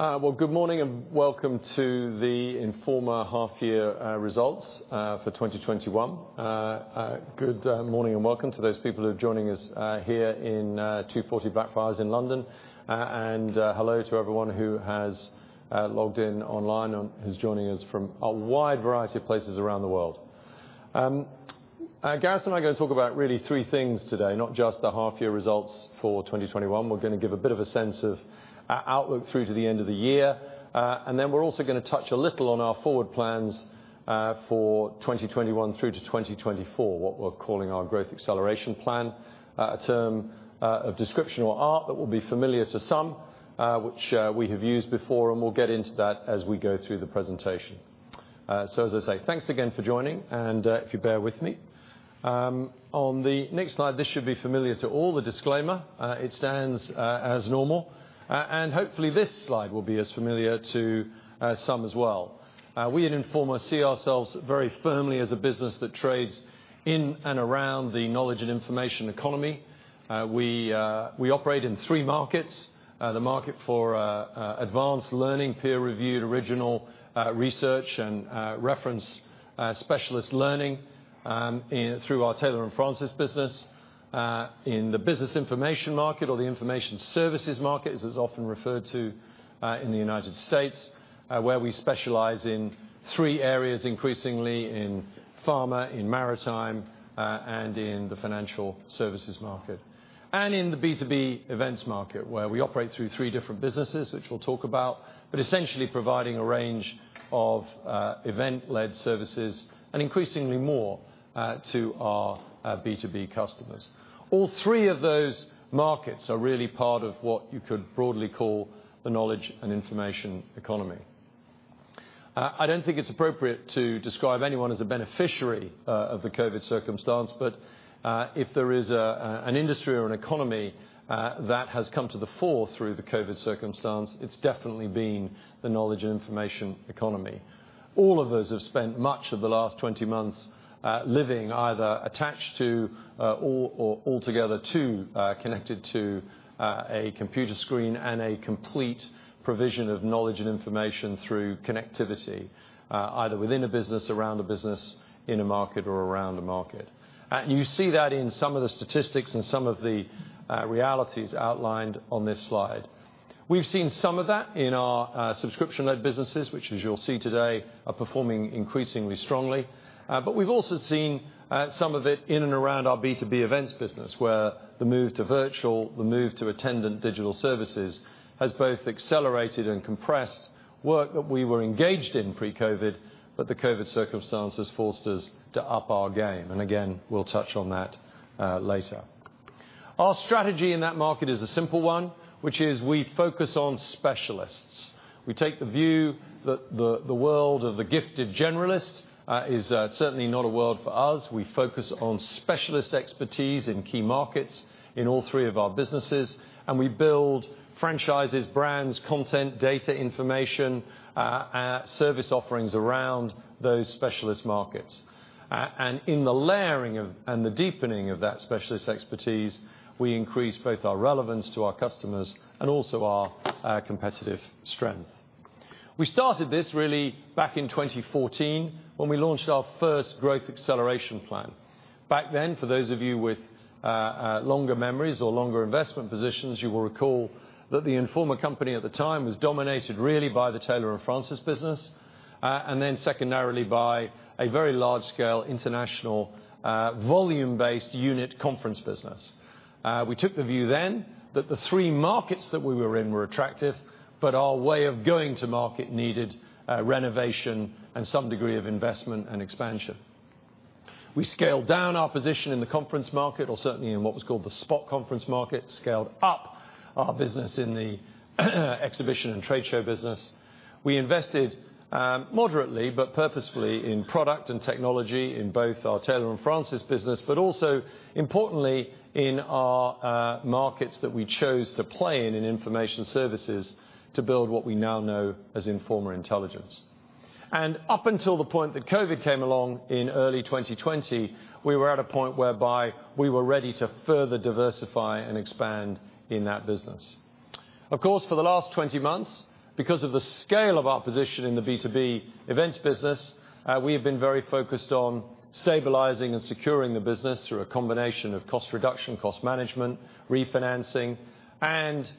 Well, good morning, welcome to the Informa half-year results for 2021. Good morning, welcome to those people who are joining us here in 240 Blackfriars in London. Hello to everyone who has logged in online and who's joining us from a wide variety of places around the world. Gareth and I are going to talk about really three things today, not just the half-year results for 2021. We're going to give a bit of a sense of our outlook through to the end of the year. We're also going to touch a little on our forward plans for 2021 through to 2024, what we're calling our Growth Acceleration Plan. A term of description or art that will be familiar to some, which we have used before, and we'll get into that as we go through the presentation. As I say, thanks again for joining, and if you bear with me. On the next slide, this should be familiar to all, the disclaimer. It stands as normal. Hopefully, this slide will be as familiar to some as well. We at Informa see ourselves very firmly as a business that trades in and around the knowledge and information economy. We operate in three markets, the market for advanced learning, peer-reviewed original research, and reference specialist learning through our Taylor & Francis business. In the business information market or the information services market, as it is often referred to in the United States, where we specialize in three areas, increasingly in pharma, in maritime, and in the financial services market. In the B2B events market, where we operate through three different businesses, which we will talk about, but essentially providing a range of event-led services and increasingly more to our B2B customers. All three of those markets are really part of what you could broadly call the knowledge and information economy. I do not think it is appropriate to describe anyone as a beneficiary of the COVID circumstance, but if there is an industry or an economy that has come to the fore through the COVID circumstance, it has definitely been the knowledge and information economy. All of us have spent much of the last 20 months living either attached to, or altogether too connected to, a computer screen and a complete provision of knowledge and information through connectivity, either within a business, around a business, in a market or around a market. You see that in some of the statistics and some of the realities outlined on this slide. We've seen some of that in our subscription-led businesses, which as you'll see today, are performing increasingly strongly. We've also seen some of it in and around our B2B events business, where the move to virtual, the move to attendant digital services, has both accelerated and compressed work that we were engaged in pre-COVID-19, but the COVID-19 circumstances forced us to up our game. Again, we'll touch on that later. Our strategy in that market is a simple one, which is we focus on specialists. We take the view that the world of the gifted generalist is certainly not a world for us. We focus on specialist expertise in key markets in all three of our businesses, we build franchises, brands, content, data, information, service offerings around those specialist markets. In the layering and the deepening of that specialist expertise, we increase both our relevance to our customers and also our competitive strength. We started this really back in 2014 when we launched our first growth acceleration plan. Back then, for those of you with longer memories or longer investment positions, you will recall that the Informa company at the time was dominated really by the Taylor & Francis business, then secondarily by a very large-scale international volume-based unit conference business. We took the view then that the three markets that we were in were attractive, our way of going to market needed renovation and some degree of investment and expansion. We scaled down our position in the conference market, or certainly in what was called the spot conference market, scaled up our business in the exhibition and trade show business. We invested moderately but purposefully in product and technology in both our Taylor & Francis business, but also importantly in our markets that we chose to play in in information services to build what we now know as Informa Intelligence. Up until the point that COVID came along in early 2020, we were at a point whereby we were ready to further diversify and expand in that business. Of course, for the last 20 months, because of the scale of our position in the B2B events business, we have been very focused on stabilizing and securing the business through a combination of cost reduction, cost management, refinancing, and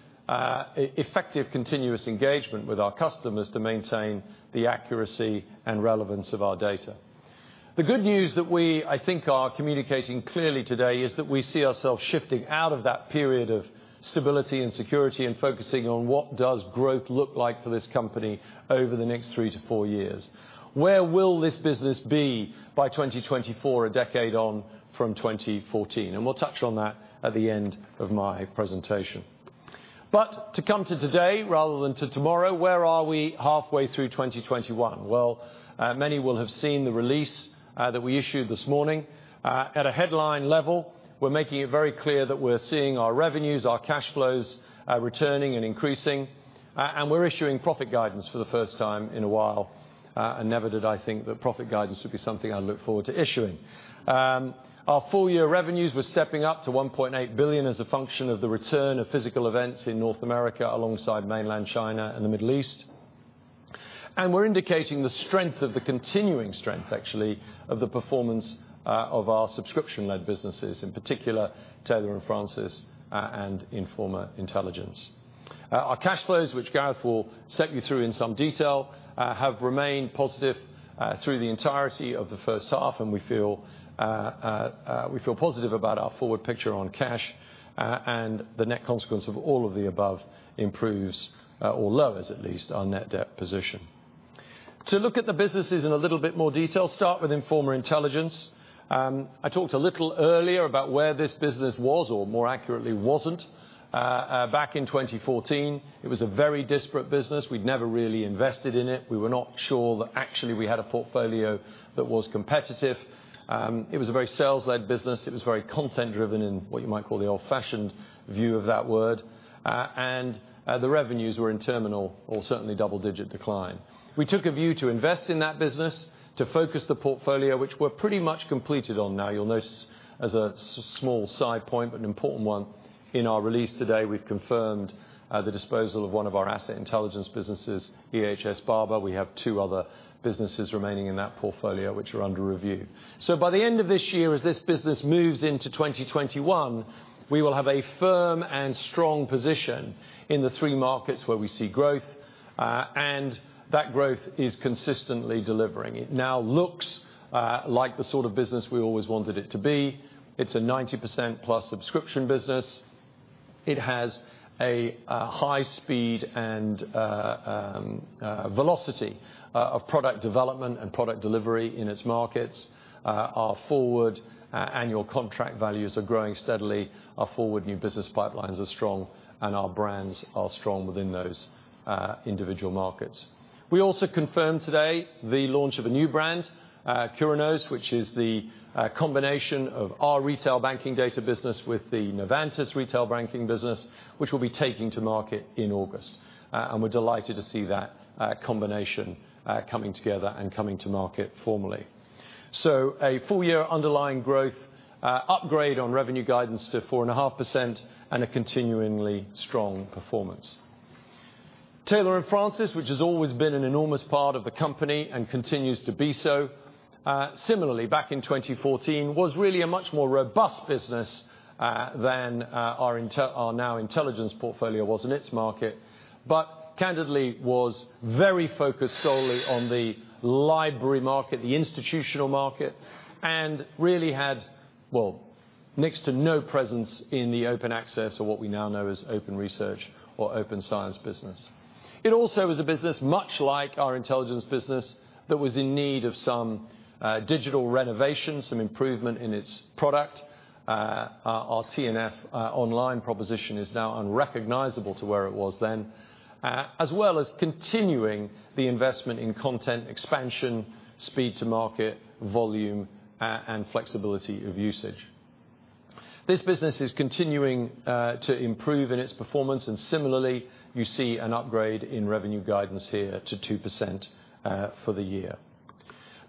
effective continuous engagement with our customers to maintain the accuracy and relevance of our data. The good news that we, I think, are communicating clearly today is that we see ourselves shifting out of that period of stability and security and focusing on what does growth look like for this company over the next three-four years. Where will this business be by 2024, a decade on from 2014? We'll touch on that at the end of my presentation. To come to today rather than to tomorrow, where are we halfway through 2021? Well, many will have seen the release that we issued this morning. At a headline level, we're making it very clear that we're seeing our revenues, our cash flows, returning and increasing. We're issuing profit guidance for the first time in a while. Never did I think that profit guidance would be something I look forward to issuing. Our full year revenues were stepping up to 1.8 billion as a function of the return of physical events in North America, alongside Mainland China and the Middle East. We're indicating the strength of the continuing strength actually, of the performance of our subscription-led businesses, in particular, Taylor & Francis and Informa Intelligence. Our cash flows, which Gareth will set you through in some detail, have remained positive through the entirety of the first half, and we feel positive about our forward picture on cash, and the net consequence of all of the above improves or lowers at least, our net debt position. To look at the businesses in a little bit more detail, start with Informa Intelligence. I talked a little earlier about where this business was, or more accurately, wasn't. Back in 2014, it was a very disparate business. We'd never really invested in it. We were not sure that actually we had a portfolio that was competitive. It was a very sales-led business. It was very content-driven in what you might call the old-fashioned view of that word. The revenues were in terminal or certainly double-digit decline. We took a view to invest in that business, to focus the portfolio, which we're pretty much completed on now. You'll notice as a small side point, but an important one, in our release today, we've confirmed the disposal of one of our asset intelligence businesses, Barbour EHS. We have two other businesses remaining in that portfolio, which are under review. By the end of this year, as this business moves into 2021, we will have a firm and strong position in the three markets where we see growth, and that growth is consistently delivering. It now looks like the sort of business we always wanted it to be. It's a 90+% subscription business. It has a high speed and velocity of product development and product delivery in its markets. Our forward annual contract values are growing steadily. Our forward new business pipelines are strong, and our brands are strong within those individual markets. We also confirmed today the launch of a new brand, Curinos, which is the combination of our retail banking data business with the Novantas retail banking business, which we'll be taking to market in August. We're delighted to see that combination coming together and coming to market formally. A full-year underlying growth upgrade on revenue guidance to 4.5% and a continuingly strong performance. Taylor & Francis, which has always been an enormous part of the company and continues to be so. Similarly, back in 2014, was really a much more robust business than our now intelligence portfolio was in its market. Candidly, was very focused solely on the library market, the institutional market, and really had, well, next to no presence in the open access or what we now know as open research or open science business. It also was a business much like our Intelligence business that was in need of some digital renovation, some improvement in its product. Our T&F Online proposition is now unrecognizable to where it was then, as well as continuing the investment in content expansion, speed to market, volume, and flexibility of usage. This business is continuing to improve in its performance, and similarly, you see an upgrade in revenue guidance here to 2% for the year.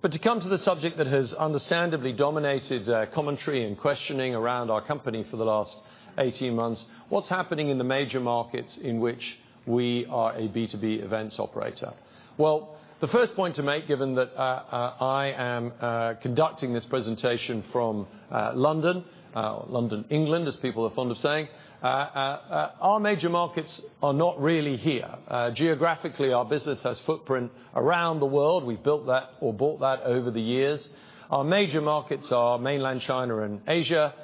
To come to the subject that has understandably dominated commentary and questioning around our company for the last 18 months, what's happening in the major markets in which we are a B2B events operator? Well, the first point to make, given that I am conducting this presentation from London, England, as people are fond of saying, our major markets are not really here. Geographically, our business has footprint around the world. We built that or bought that over the years. Our major markets are Mainland China and Asia,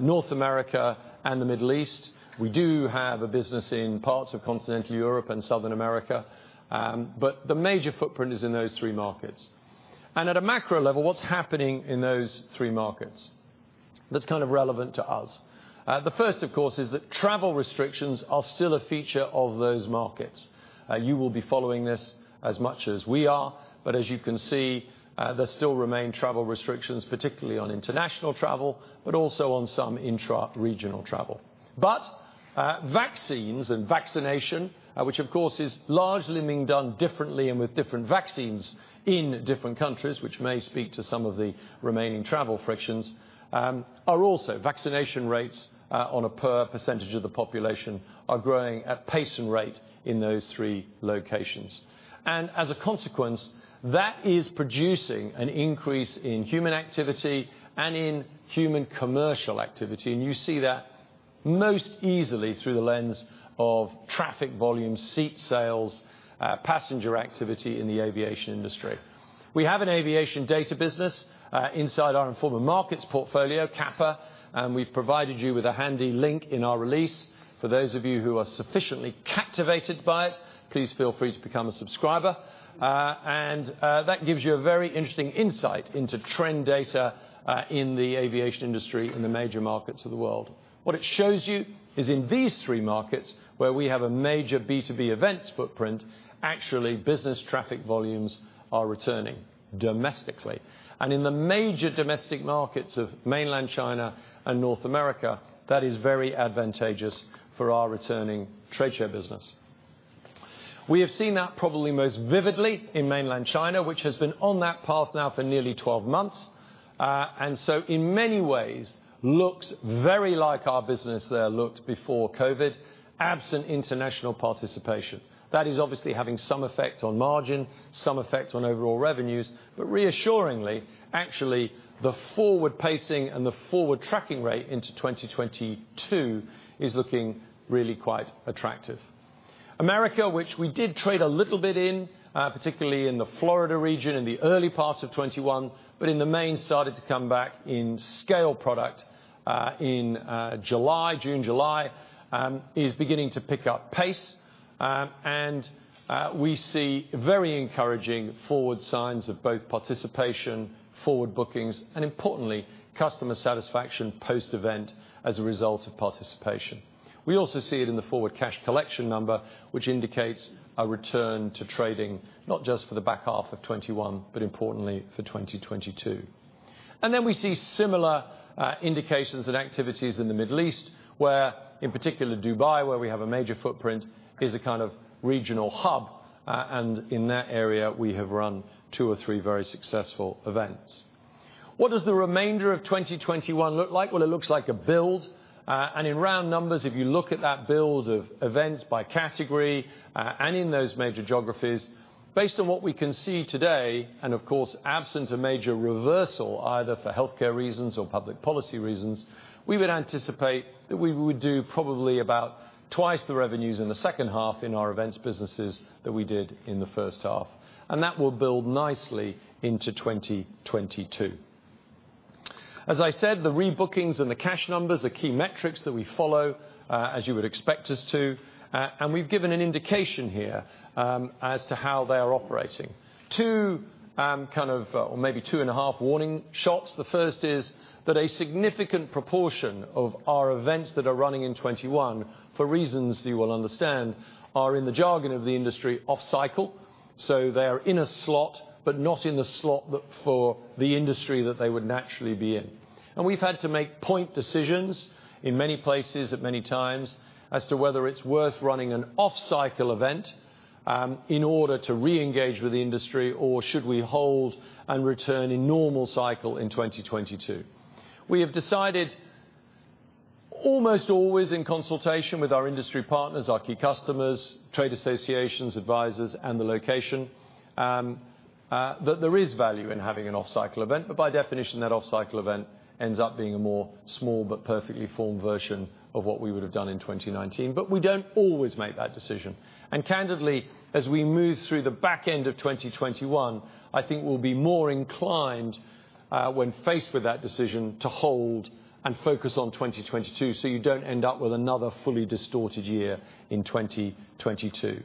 North America, and the Middle East. We do have a business in parts of Continental Europe and South America, but the major footprint is in those three markets. At a macro level, what's happening in those three markets? That's kind of relevant to us. The first, of course, is that travel restrictions are still a feature of those markets. You will be following this as much as we are, but as you can see, there still remain travel restrictions, particularly on international travel, but also on some intra-regional travel. Vaccines and vaccination, which of course is largely being done differently and with different vaccines in different countries, which may speak to some of the remaining travel frictions, are also vaccination rates on a per percentage of the population are growing at pace and rate in those three locations. As a consequence, that is producing an increase in human activity and in human commercial activity, and you see that most easily through the lens of traffic volume, seat sales, passenger activity in the aviation industry. We have an aviation data business inside our Informa Markets portfolio, CAPA, and we've provided you with a handy link in our release. For those of you who are sufficiently captivated by it, please feel free to become a subscriber. That gives you a very interesting insight into trend data in the aviation industry in the major markets of the world. What it shows you is in these three markets, where we have a major B2B events footprint, actually, business traffic volumes are returning domestically. In the major domestic markets of Mainland China and North America, that is very advantageous for our returning trade show business. We have seen that probably most vividly in Mainland China, which has been on that path now for nearly 12 months. In many ways, looks very like our business there looked before COVID, absent international participation. That is obviously having some effect on margin, some effect on overall revenues, but reassuringly, actually, the forward pacing and the forward tracking rate into 2022 is looking really quite attractive. America, which we did trade a little bit in, particularly in the Florida region in the early part of 2021, but in the main started to come back in scale product in June, July, is beginning to pick up pace, and we see very encouraging forward signs of both participation, forward bookings, and importantly, customer satisfaction post-event as a result of participation. We also see it in the forward cash collection number, which indicates a return to trading not just for the back half of 2021, but importantly for 2022. We see similar indications and activities in the Middle East, where, in particular Dubai, where we have a major footprint, is a kind of regional hub. In that area, we have run two or three very successful events. What does the remainder of 2021 look like? Well, it looks like a build. In round numbers, if you look at that build of events by category, and in those major geographies, based on what we can see today, and of course, absent a major reversal, either for healthcare reasons or public policy reasons, we would anticipate that we would do probably about twice the revenues in the second half in our events businesses that we did in the first half. That will build nicely into 2022. As I said, the rebookings and the cash numbers are key metrics that we follow, as you would expect us to, and we've given an indication here as to how they are operating. Two, or maybe 2.5 warning shots. The first is that a significant proportion of our events that are running in 2021, for reasons that you will understand, are, in the jargon of the industry, off cycle. They are in a slot, but not in the slot for the industry that they would naturally be in. We've had to make point decisions in many places at many times as to whether it's worth running an off-cycle event in order to reengage with the industry, or should we hold and return in normal cycle in 2022. We have decided almost always in consultation with our industry partners, our key customers, trade associations, advisors, and the location, that there is value in having an off-cycle event, but by definition, that off-cycle event ends up being a more small but perfectly formed version of what we would have done in 2019. We don't always make that decision. Candidly, as we move through the back end of 2021, I think we'll be more inclined, when faced with that decision, to hold and focus on 2022, so you don't end up with another fully distorted year in 2022.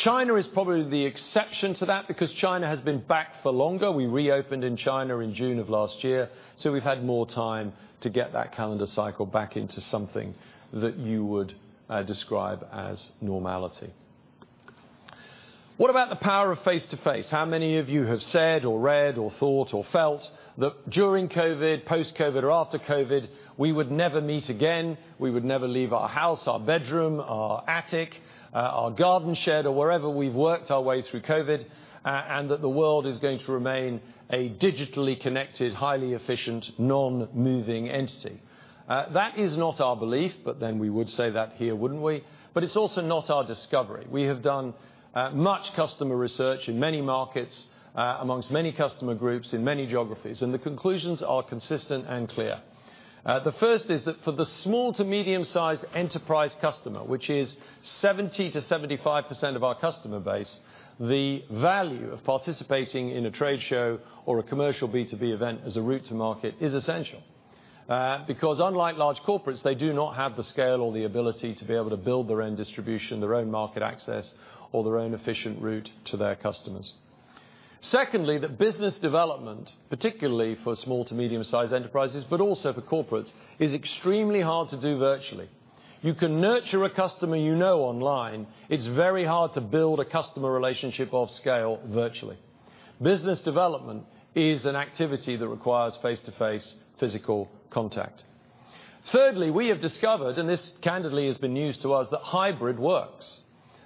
China is probably the exception to that because China has been back for longer. We reopened in China in June of last year, so we've had more time to get that calendar cycle back into something that you would describe as normality. What about the power of face-to-face? How many of you have said or read or thought or felt that during COVID, post-COVID, or after COVID, we would never meet again, we would never leave our house, our bedroom, our attic, our garden shed, or wherever we've worked our way through COVID, and that the world is going to remain a digitally connected, highly efficient, non-moving entity? That is not our belief, but then we would say that here, wouldn't we? It's also not our discovery. We have done much customer research in many markets amongst many customer groups in many geographies, and the conclusions are consistent and clear. The first is that for the small to medium-sized enterprise customer, which is 70%-75% of our customer base, the value of participating in a trade show or a commercial B2B event as a route to market is essential. Unlike large corporates, they do not have the scale or the ability to be able to build their own distribution, their own market access, or their own efficient route to their customers. Secondly, that business development, particularly for small to medium-sized enterprises, but also for corporates, is extremely hard to do virtually. You can nurture a customer you know online. It's very hard to build a customer relationship of scale virtually. Business development is an activity that requires face-to-face physical contact. Thirdly, we have discovered, this candidly has been news to us, that hybrid works.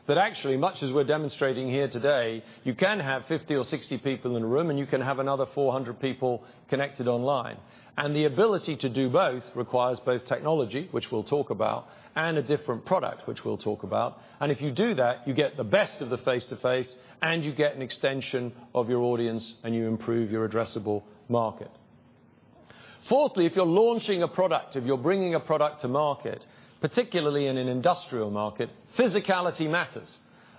Actually, much as we're demonstrating here today, you can have 50 or 60 people in a room, and you can have another 400 people connected online. The ability to do both requires both technology, which we'll talk about, and a different product, which we'll talk about. If you do that, you get the best of the face-to-face, and you get an extension of your audience, and you improve your addressable market. Fourthly, if you're launching a product, if you're bringing a product to market, particularly in an industrial market, physicality matters.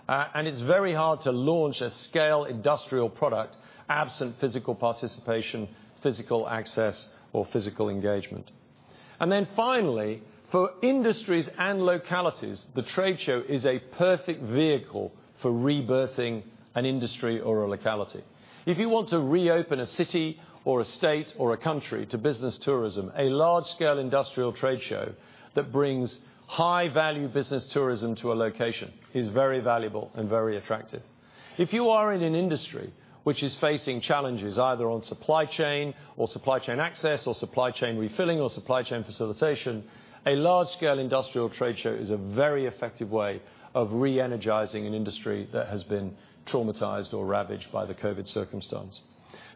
It's very hard to launch a scale industrial product absent physical participation, physical access, or physical engagement. Finally, for industries and localities, the trade show is a perfect vehicle for rebirthing an industry or a locality. If you want to reopen a city or a state or a country to business tourism, a large-scale industrial trade show that brings high-value business tourism to a location is very valuable and very attractive. If you are in an industry which is facing challenges either on supply chain or supply chain access, or supply chain refilling, or supply chain facilitation, a large-scale industrial trade show is a very effective way of re-energizing an industry that has been traumatized or ravaged by the COVID-19 circumstance.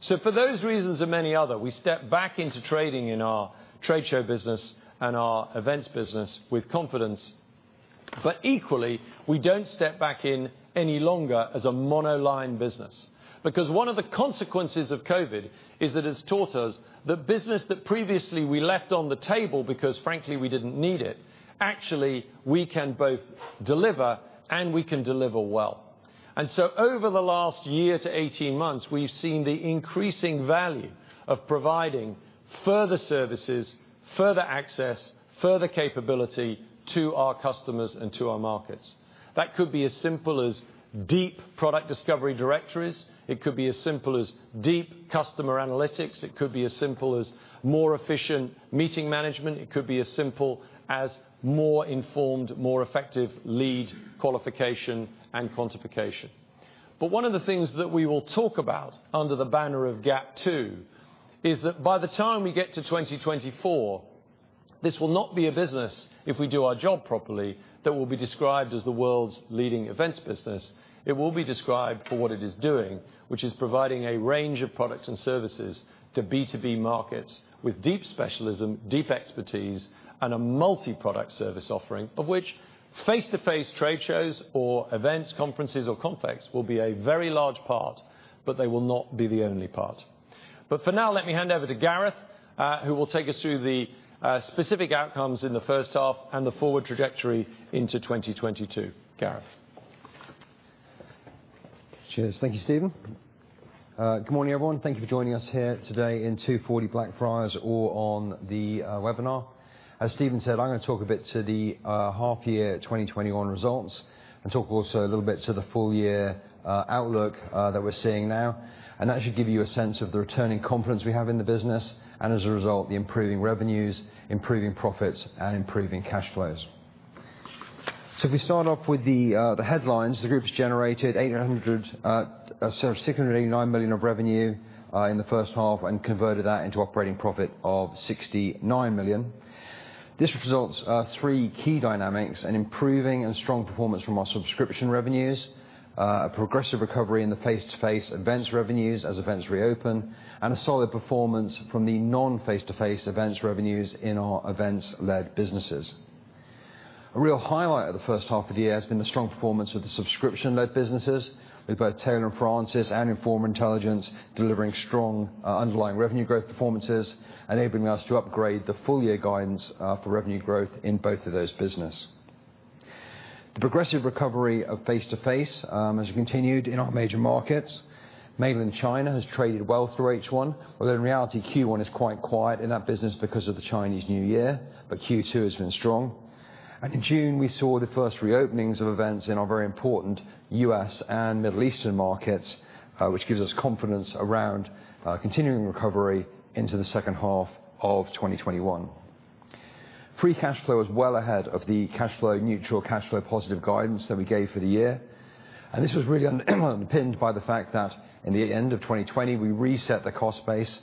For those reasons and many others, we step back into trading in our trade show business and our events business with confidence. Equally, we don't step back in any longer as a monoline business, because one of the consequences of COVID is that it's taught us the business that previously we left on the table because frankly, we didn't need it, actually, we can both deliver and we can deliver well. Over the last year to 18 months, we've seen the increasing value of providing further services, further access, further capability to our customers and to our markets. That could be as simple as deep product discovery directories. It could be as simple as deep customer analytics. It could be as simple as more efficient meeting management. It could be as simple as more informed, more effective lead qualification and quantification. One of the things that we will talk about under the banner of GAP 2 is that by the time we get to 2024, this will not be a business, if we do our job properly, that will be described as the world's leading events business. It will be described for what it is doing, which is providing a range of products and services to B2B markets with deep specialism, deep expertise, and a multi-product service offering of which face-to-face trade shows or events, conferences or confex will be a very large part, but they will not be the only part. For now, let me hand over to Gareth, who will take us through the specific outcomes in the first half and the forward trajectory into 2022. Gareth. Cheers. Thank you, Stephen. Good morning, everyone. Thank you for joining us here today in 240 Blackfriars or on the webinar. As Stephen said, I'm going to talk a bit to the half year 2021 results and talk also a little bit to the full year outlook that we're seeing now. That should give you a sense of the returning confidence we have in the business, and as a result, the improving revenues, improving profits, and improving cash flows. If we start off with the headlines, the group has generated 689 million of revenue in the first half and converted that into operating profit of 69 million. This results our three key dynamics and improving and strong performance from our subscription revenues, a progressive recovery in the face-to-face events revenues as events reopen, and a solid performance from the non-face-to-face events revenues in our events-led businesses. A real highlight of the first half of the year has been the strong performance of the subscription-led businesses with both Taylor & Francis and Informa Intelligence delivering strong underlying revenue growth performances, enabling us to upgrade the full year guidance for revenue growth in both of those business. The progressive recovery of face to face has continued in our major markets. Mainland China has traded well through H1, although in reality, Q1 is quite quiet in that business because of the Chinese New Year, but Q2 has been strong. In June, we saw the first reopenings of events in our very important U.S. and Middle Eastern markets, which gives us confidence around continuing recovery into the second half of 2021. Free cash flow is well ahead of the cash flow neutral, cash flow positive guidance that we gave for the year. This was really underpinned by the fact that in the end of 2020, we reset the cost base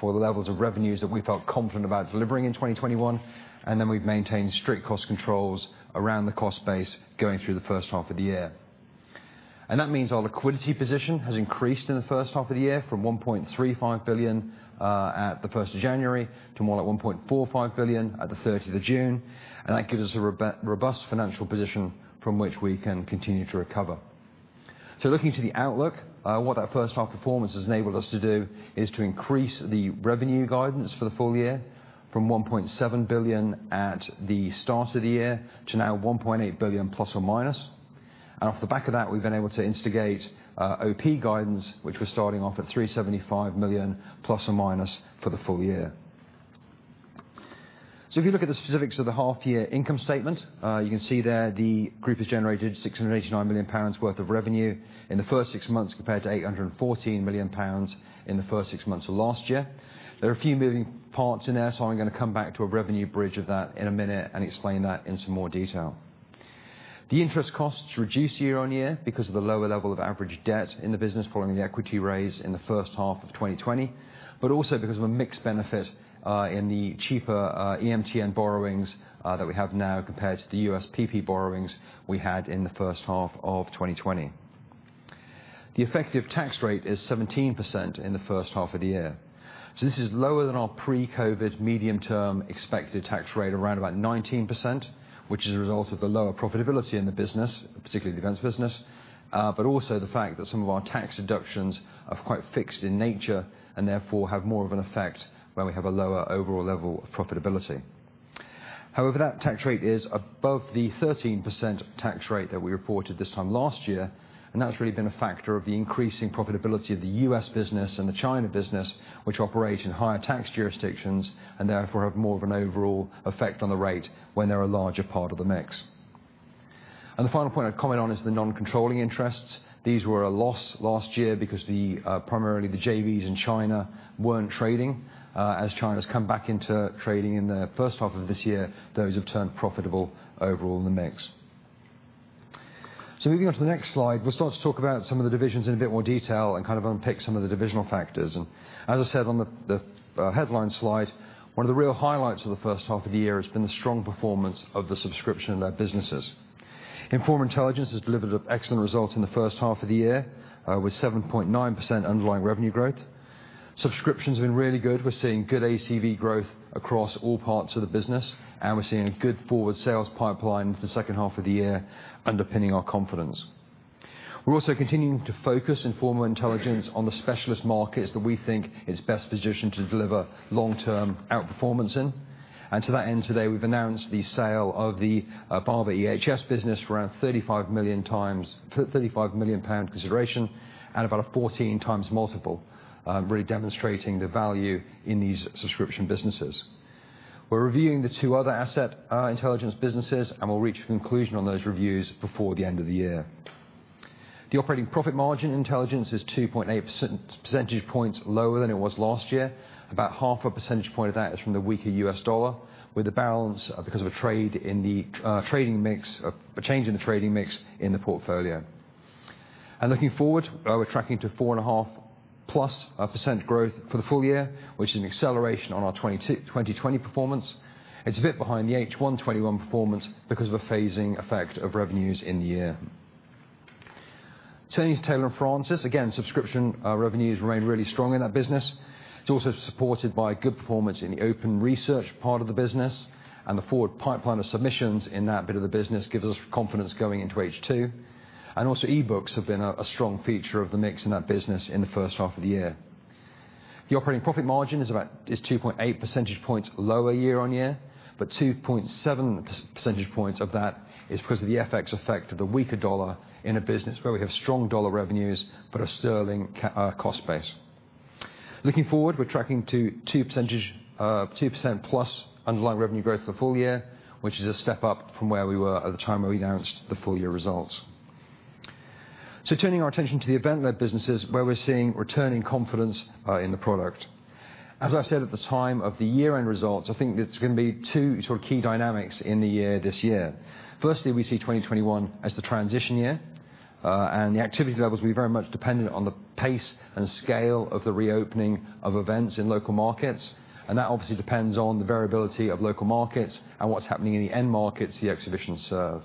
for the levels of revenues that we felt confident about delivering in 2021, and then we've maintained strict cost controls around the cost base going through the first half of the year. That means our liquidity position has increased in the first half of the year from 1.35 billion at the 1st of January to more like 1.45 billion at the 30th of June, and that gives us a robust financial position from which we can continue to recover. Looking to the outlook, what that first half performance has enabled us to do is to increase the revenue guidance for the full year from 1.7 billion at the start of the year to now 1.8 billion ±. Off the back of that, we've been able to instigate OP guidance, which we're starting off at 375 million ± for the full year. If you look at the specifics of the half year income statement, you can see there the group has generated 689 million pounds worth of revenue in the first six months compared to 814 million pounds in the first six months of last year. There are a few moving parts in there. I'm going to come back to a revenue bridge of that in a minute and explain that in some more detail. The interest costs reduce year on year because of the lower level of average debt in the business following the equity raise in the first half of 2020, but also because of a mixed benefit in the cheaper EMTN borrowings that we have now compared to the US PP borrowings we had in the first half of 2020. The effective tax rate is 17% in the first half of the year. This is lower than our pre-COVID-19 medium term expected tax rate around about 19%, which is a result of the lower profitability in the business, particularly the events business, but also the fact that some of our tax deductions are quite fixed in nature and therefore have more of an effect when we have a lower overall level of profitability. That tax rate is above the 13% tax rate that we reported this time last year, and that's really been a factor of the increasing profitability of the U.S. business and the China business, which operate in higher tax jurisdictions and therefore have more of an overall effect on the rate when they're a larger part of the mix. The final point I'd comment on is the non-controlling interests. These were a loss last year because primarily the JVs in China weren't trading. As China's come back into trading in the first half of this year, those have turned profitable overall in the mix. Moving on to the next slide, we'll start to talk about some of the divisions in a bit more detail and kind of unpick some of the divisional factors. As I said on the headline slide, one of the real highlights of the first half of the year has been the strong performance of the subscription-led businesses. Informa Intelligence has delivered excellent results in the first half of the year, with 7.9% underlying revenue growth. Subscriptions have been really good. We're seeing good ACV growth across all parts of the business, and we're seeing a good forward sales pipeline for the second half of the year underpinning our confidence. We're also continuing to focus Informa Intelligence on the specialist markets that we think it's best positioned to deliver long-term outperformance in. To that end, today, we've announced the sale of the Barbour EHS business for around 35 million consideration and about a 14x multiple, really demonstrating the value in these subscription businesses. We're reviewing the two other asset intelligence businesses, and we'll reach a conclusion on those reviews before the end of the year. The operating profit margin Intelligence is 2.8 percentage points lower than it was last year. About half a percentage point of that is from the weaker U.S. dollar, with the balance because of a change in the trading mix in the portfolio. Looking forward, we're tracking to 4.5+% growth for the full year, which is an acceleration on our 2020 performance. It's a bit behind the H1 2021 performance because of a phasing effect of revenues in the year. Turning to Taylor & Francis, again, subscription revenues remain really strong in that business. It's also supported by good performance in the open research part of the business, the forward pipeline of submissions in that bit of the business gives us confidence going into H2. Also, e-books have been a strong feature of the mix in that business in the first half of the year. The operating profit margin is 2.8 percentage points lower year on year, 2.7 percentage points of that is because of the FX effect of the weaker U.S. dollar in a business where we have strong U.S. dollar revenues, a GBP cost base. Looking forward, we're tracking to 2% plus underlying revenue growth for the full year, which is a step up from where we were at the time when we announced the full-year results. Turning our attention to the event-led businesses where we're seeing returning confidence in the product. As I said at the time of the year-end results, I think it's going to be two sort of key dynamics in the year this year. Firstly, we see 2021 as the transition year. The activity levels will be very much dependent on the pace and scale of the reopening of events in local markets, that obviously depends on the variability of local markets and what's happening in the end markets the exhibitions serve.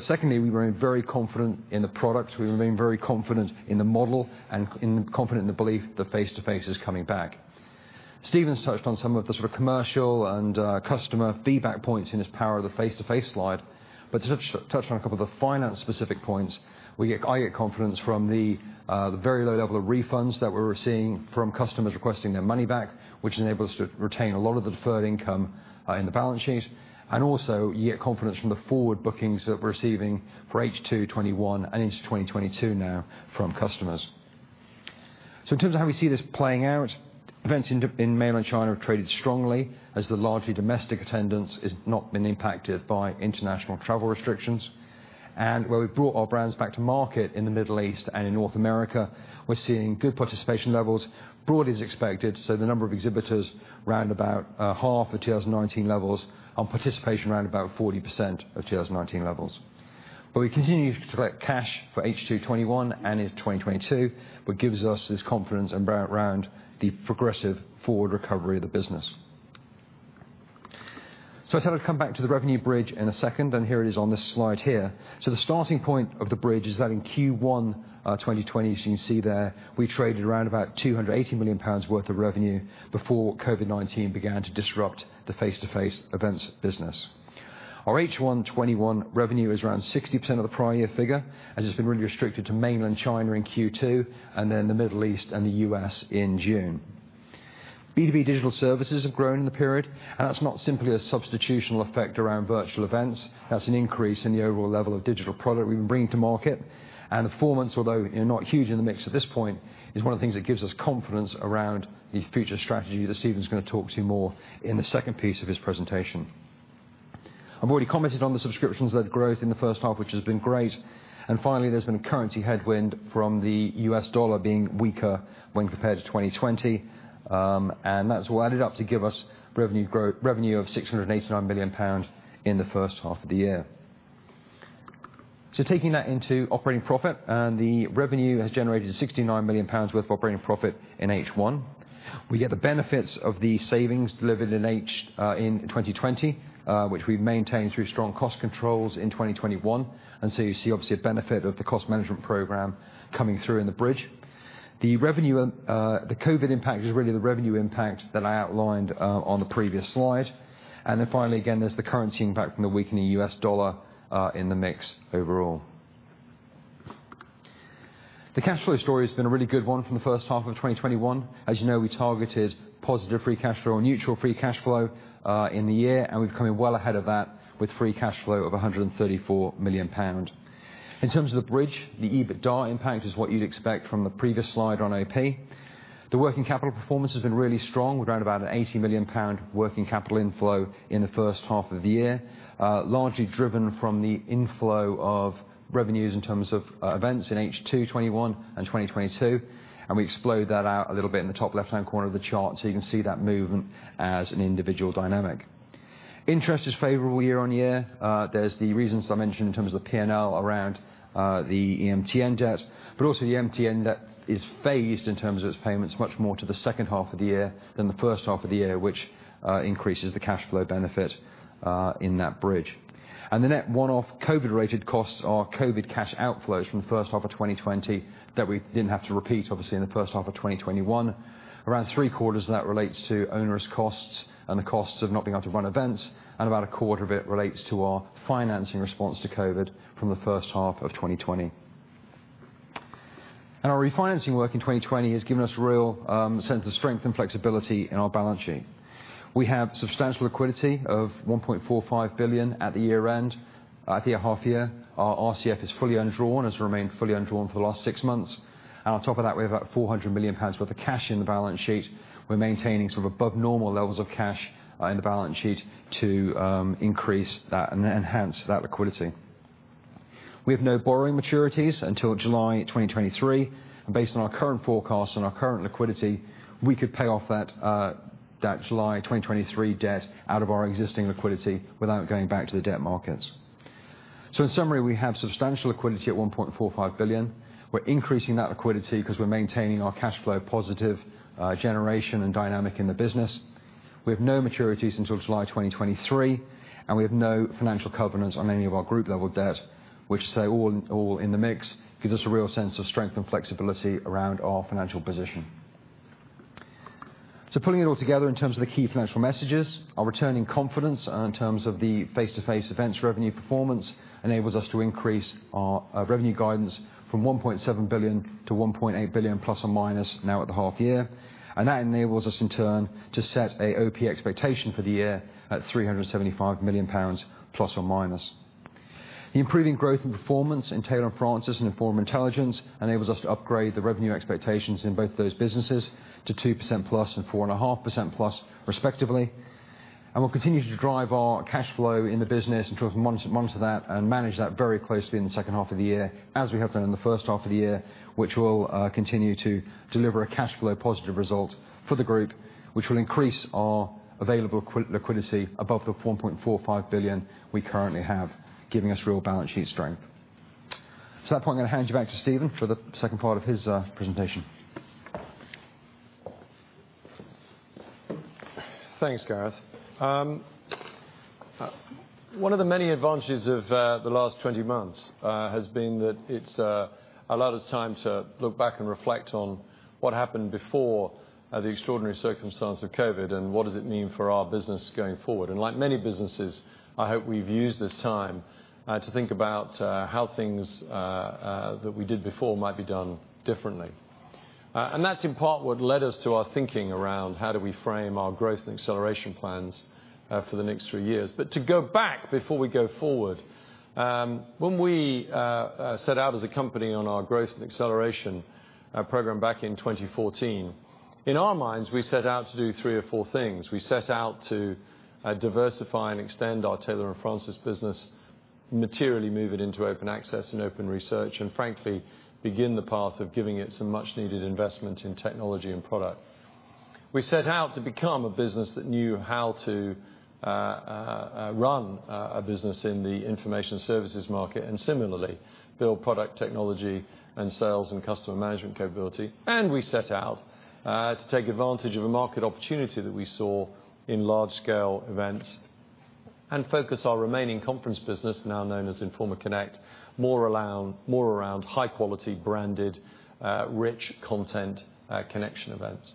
Secondly, we remain very confident in the product. We remain very confident in the model and confident in the belief that face-to-face is coming back. Stephen has touched on some of the sort of commercial and customer feedback points in his power of the face-to-face slide. To touch on a couple of the finance specific points, I get confidence from the very low level of refunds that we're seeing from customers requesting their money back, which enables us to retain a lot of the deferred income in the balance sheet. You get confidence from the forward bookings that we're receiving for H2 2021 and into 2022 now from customers. In terms of how we see this playing out, events in mainland China have traded strongly as the largely domestic attendance has not been impacted by international travel restrictions. Where we've brought our brands back to market in the Middle East and in North America, we're seeing good participation levels broadly as expected. The number of exhibitors round about 50% of 2019 levels and participation round about 40% of 2019 levels. We continue to collect cash for H2 2021 and into 2022, which gives us this confidence around the progressive forward recovery of the business. I said I'd come back to the revenue bridge in a second, and here it is on this slide here. The starting point of the bridge is that in Q1 2020, as you can see there, we traded around about 280 million pounds worth of revenue before COVID-19 began to disrupt the face-to-face events business. Our H1 2021 revenue is around 60% of the prior year figure, as it's been really restricted to mainland China in Q2 and then the Middle East and the U.S. in June. B2B digital services have grown in the period, and that's not simply a substitutional effect around virtual events. That's an increase in the overall level of digital product we've been bringing to market. The performance, although not huge in the mix at this point, is one of the things that gives us confidence around the future strategy that Stephen is going to talk to you more in the second piece of his presentation. I've already commented on the subscriptions-led growth in the first half, which has been great. Finally, there's been a currency headwind from the U.S. dollar being weaker when compared to 2020. That's all added up to give us revenue of 689 million pounds in the first half of the year. Taking that into operating profit, and the revenue has generated 69 million pounds worth of operating profit in H1. We get the benefits of the savings delivered in 2020, which we've maintained through strong cost controls in 2021. You see obviously a benefit of the cost management program coming through in the bridge. The COVID-19 impact is really the revenue impact that I outlined on the previous slide. Finally, again, there's the currency impact from the weakening U.S. dollar in the mix overall. The cash flow story has been a really good one from the first half of 2021. You know, we targeted positive free cash flow or neutral free cash flow in the year, and we've come in well ahead of that with free cash flow of 134 million pounds. In terms of the bridge, the EBITDA impact is what you'd expect from the previous slide on OP. The working capital performance has been really strong, with around about 80 million pound working capital inflow in the first half of the year, largely driven from the inflow of revenues in terms of events in H2 2021 and 2022. We explode that out a little bit in the top left-hand corner of the chart so you can see that movement as an individual dynamic. Interest is favorable year-over-year. There are the reasons I mentioned in terms of the P&L around the MTN debt, but also the MTN debt is phased in terms of its payments much more to the second half of the year than the first half of the year, which increases the cash flow benefit in that bridge. The net one-off COVID-related costs are COVID cash outflows from the first half of 2020 that we didn't have to repeat, obviously, in the first half of 2021. Around three quarters of that relates to onerous costs and the costs of not being able to run events, and about a quarter of it relates to our financing response to COVID from the first half of 2020. Our refinancing work in 2020 has given us real sense of strength and flexibility in our balance sheet. We have substantial liquidity of 1.45 billion at the year-end. At the half year, our RCF is fully undrawn, has remained fully undrawn for the last six months. On top of that, we have about 400 million pounds worth of cash in the balance sheet. We're maintaining above normal levels of cash in the balance sheet to increase that and enhance that liquidity. We have no borrowing maturities until July 2023, and based on our current forecast and our current liquidity, we could pay off that July 2023 debt out of our existing liquidity without going back to the debt markets. In summary, we have substantial liquidity at 1.45 billion. We're increasing that liquidity because we're maintaining our cash flow positive generation and dynamic in the business. We have no maturities until July 2023, we have no financial covenants on any of our group-level debt, which say all in the mix, gives us a real sense of strength and flexibility around our financial position. Pulling it all together in terms of the key financial messages, our returning confidence in terms of the face-to-face events revenue performance enables us to increase our revenue guidance from 1.7 billion-1.8 billion ± now at the half year. That enables us in turn to set a OP expectation for the year at 375 million pounds ±. The improving growth and performance in Taylor & Francis and Informa Intelligence enables us to upgrade the revenue expectations in both of those businesses to 2%+ and 4.5%+ respectively. We'll continue to drive our cash flow in the business and to monitor that and manage that very closely in the second half of the year, as we have done in the first half of the year, which will continue to deliver a cash flow positive result for the group, which will increase our available liquidity above 1.45 billion we currently have, giving us real balance sheet strength. At that point, I'm going to hand you back to Stephen for the second part of his presentation. Thanks, Gareth. One of the many advantages of the last 20 months has been that it's allowed us time to look back and reflect on what happened before the extraordinary circumstance of COVID-19 and what does it mean for our business going forward. Like many businesses, I hope we've used this time to think about how things that we did before might be done differently. That's in part what led us to our thinking around how do we frame our growth and acceleration plans for the next three years. To go back before we go forward, when we set out as a company on our growth and acceleration program back in 2014, in our minds, we set out to do three or four things. We set out to diversify and extend our Taylor & Francis business, materially move it into open access and open research, and frankly, begin the path of giving it some much-needed investment in technology and product. We set out to become a business that knew how to run a business in the information services market, and similarly, build product technology and sales and customer management capability. We set out to take advantage of a market opportunity that we saw in large-scale events and focus our remaining conference business, now known as Informa Connect, more around high-quality branded, rich content connection events.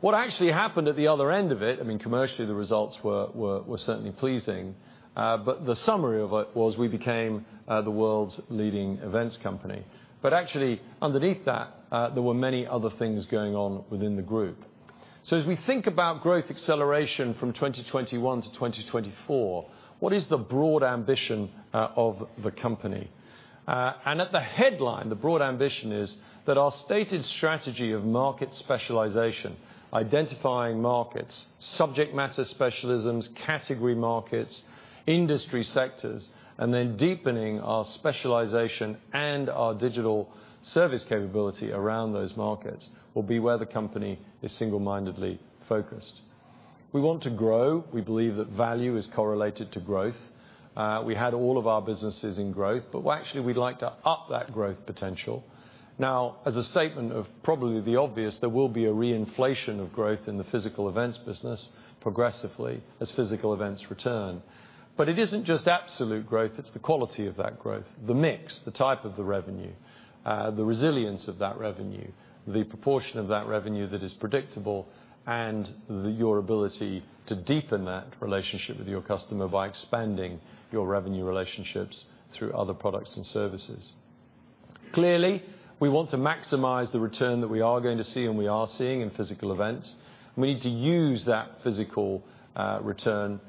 What actually happened at the other end of it, I mean, commercially, the results were certainly pleasing, but the summary of it was we became the world's leading events company. Actually, underneath that, there were` many other things going on within the group. As we think about growth acceleration from 2021-2024, what is the broad ambition of the company? At the headline, the broad ambition is that our stated strategy of market specialization, identifying markets, subject matter specialisms, category markets, industry sectors, and then deepening our specialization and our digital service capability around those markets will be where the company is single-mindedly focused. We want to grow. We believe that value is correlated to growth. We had all of our businesses in growth, but actually, we'd like to up that growth potential. As a statement of probably the obvious, there will be a reinflation of growth in the physical events business progressively as physical events return. It isn't just absolute growth, it's the quality of that growth, the mix, the type of the revenue, the resilience of that revenue, the proportion of that revenue that is predictable, and your ability to deepen that relationship with your customer by expanding your revenue relationships through other products and services. Clearly, we want to maximize the return that we are going to see and we are seeing in physical events. We need to use that physical return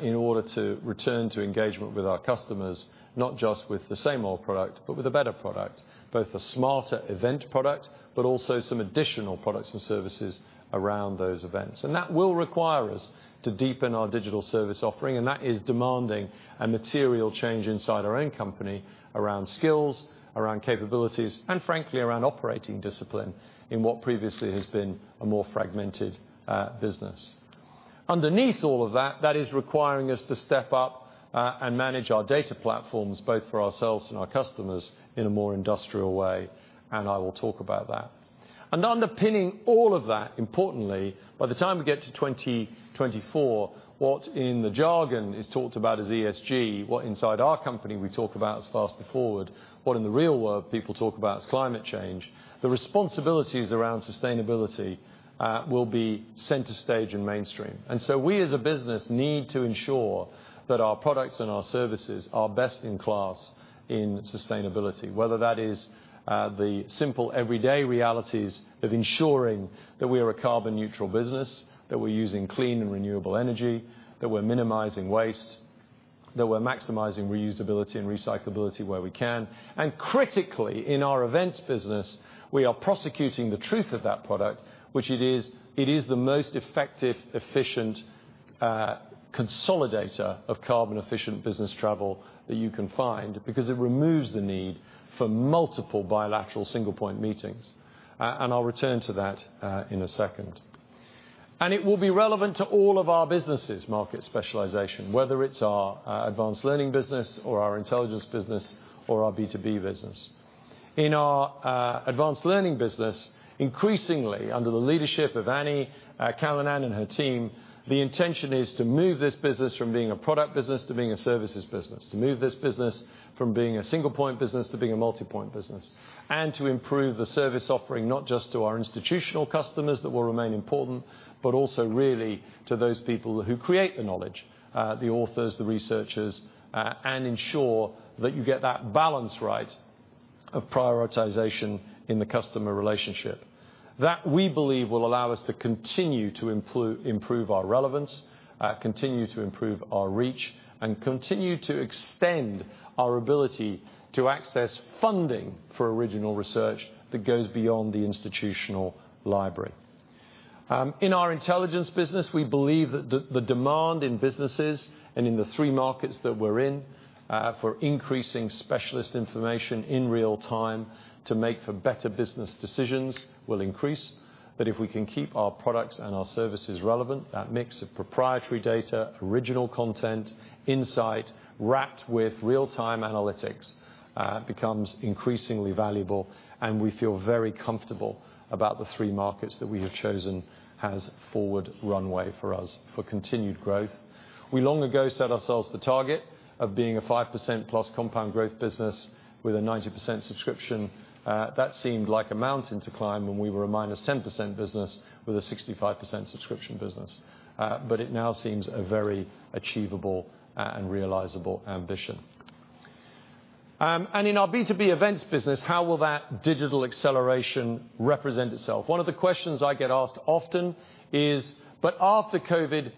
in order to return to engagement with our customers, not just with the same old product, but with a better product, both a smarter event product, but also some additional products and services around those events. That will require us to deepen our digital service offering, and that is demanding a material change inside our own company around skills, around capabilities, and frankly, around operating discipline in what previously has been a more fragmented business. Underneath all of that is requiring us to step up and manage our data platforms, both for ourselves and our customers, in a more industrial way, I will talk about that. Underpinning all of that, importantly, by the time we get to 2024, what in the jargon is talked about as ESG, what inside our company we talk about as Faster Forward, what in the real world people talk about as climate change, the responsibilities around sustainability will be center stage and mainstream. We, as a business, need to ensure that our products and our services are best in class in sustainability, whether that is the simple everyday realities of ensuring that we are a carbon neutral business, that we're using clean and renewable energy, that we're minimizing waste, that we're maximizing reusability and recyclability where we can. Critically, in our events business, we are prosecuting the truth of that product, which it is the most effective, efficient consolidator of carbon efficient business travel that you can find because it removes the need for multiple bilateral single-point meetings. I'll return to that in a second. It will be relevant to all of our businesses, market specialization, whether it's our Advanced Learning business or our Intelligence business or our B2B business. In our Advanced Learning business, increasingly, under the leadership of Annie Callanan and her team, the intention is to move this business from being a product business to being a services business, to move this business from being a single-point business to being a multi-point business, and to improve the service offering, not just to our institutional customers that will remain important, but also really to those people who create the knowledge, the authors, the researchers, and ensure that you get that balance right of prioritization in the customer relationship. That, we believe, will allow us to continue to improve our relevance, continue to improve our reach, and continue to extend our ability to access funding for original research that goes beyond the institutional library. In our Intelligence business, we believe that the demand in businesses and in the three markets that we're in, for increasing specialist information in real time to make for better business decisions will increase. That if we can keep our products and our services relevant, that mix of proprietary data, original content, insight, wrapped with real-time analytics, becomes increasingly valuable, and we feel very comfortable about the three markets that we have chosen as forward runway for us for continued growth. We long ago set ourselves the target of being a 5%+ compound growth business with a 90% subscription. It now seems a very achievable and realizable ambition. In our B2B events business, how will that digital acceleration represent itself? One of the questions I get asked often is, after COVID,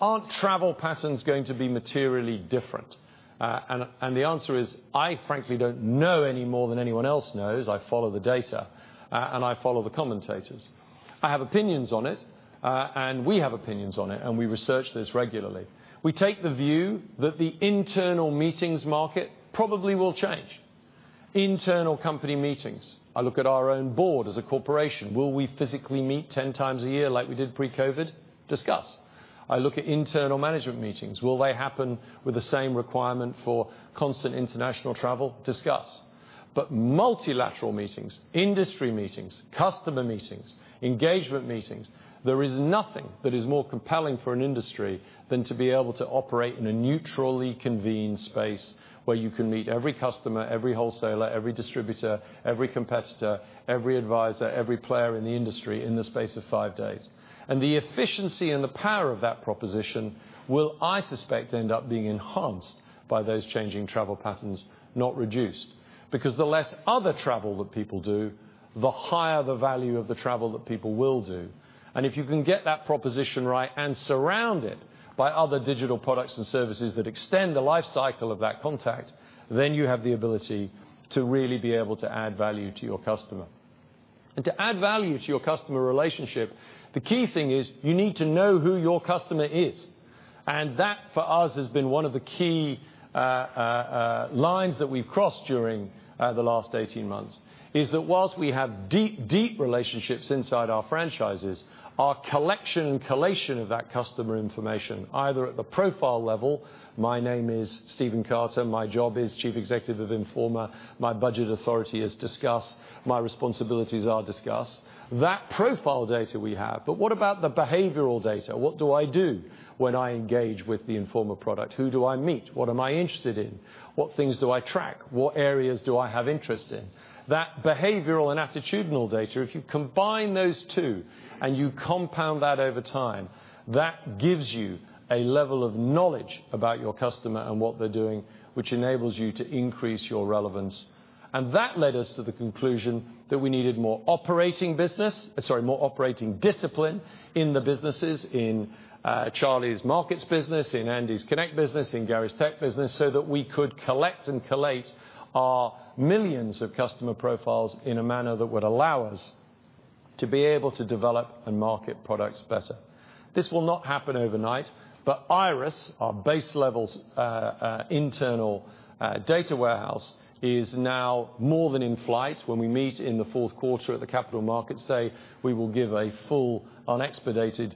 aren't travel patterns going to be materially different? The answer is, I frankly don't know any more than anyone else knows. I follow the data, and I follow the commentators. I have opinions on it, and we have opinions on it, and we research this regularly. We take the view that the internal meetings market probably will change. Internal company meetings. I look at our own board as a corporation. Will we physically meet 10x a year like we did pre-COVID? Discuss. I look at internal management meetings. Will they happen with the same requirement for constant international travel? Discuss. Multilateral meetings, industry meetings, customer meetings, engagement meetings, there is nothing that is more compelling for an industry than to be able to operate in a neutrally convened space where you can meet every customer, every wholesaler, every distributor, every competitor, every advisor, every player in the industry in the space of five days. The efficiency and the power of that proposition will, I suspect, end up being enhanced by those changing travel patterns, not reduced. Because the less other travel that people do, the higher the value of the travel that people will do. If you can get that proposition right and surround it by other digital products and services that extend the life cycle of that contact, then you have the ability to really be able to add value to your customer. To add value to your customer relationship, the key thing is you need to know who your customer is. That, for us, has been one of the key lines that we've crossed during the last 18 months, is that whilst we have deep relationships inside our franchises, our collection and collation of that customer information, either at the profile level, my name is Stephen Carter, my job is Chief Executive of Informa, my budget authority is discuss, my responsibilities are discuss. That profile data we have. What about the behavioral data? What do I do when I engage with the Informa product? Who do I meet? What am I interested in? What things do I track? What areas do I have interest in? That behavioral and attitudinal data, if you combine those two and you compound that over time, that gives you a level of knowledge about your customer and what they're doing, which enables you to increase your relevance. That led us to the conclusion that we needed more operating discipline in the businesses, in Charlie's Markets business, in Andy's Connect business, in Gary's Tech business, so that we could collect and collate our millions of customer profiles in a manner that would allow us to be able to develop and market products better. This will not happen overnight. IIRIS, our base level's internal data warehouse, is now more than in flight. When we meet in the fourth quarter at the Capital Markets Day, we will give a full, unexpedited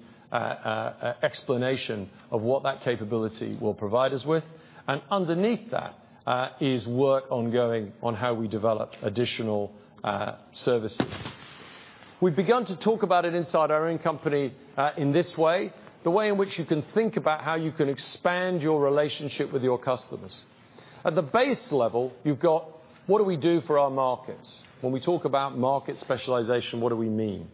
explanation of what that capability will provide us with. Underneath that, is work ongoing on how we develop additional services. We've begun to talk about it inside our own company in this way, the way in which you can think about how you can expand your relationship with your customers. At the base level, you've got, what do we do for our markets? When we talk about market specialization, what do we mean?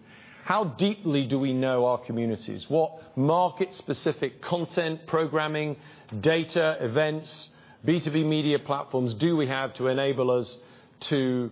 How deeply do we know our communities? What market-specific content, programming, data, events, B2B media platforms do we have to enable us to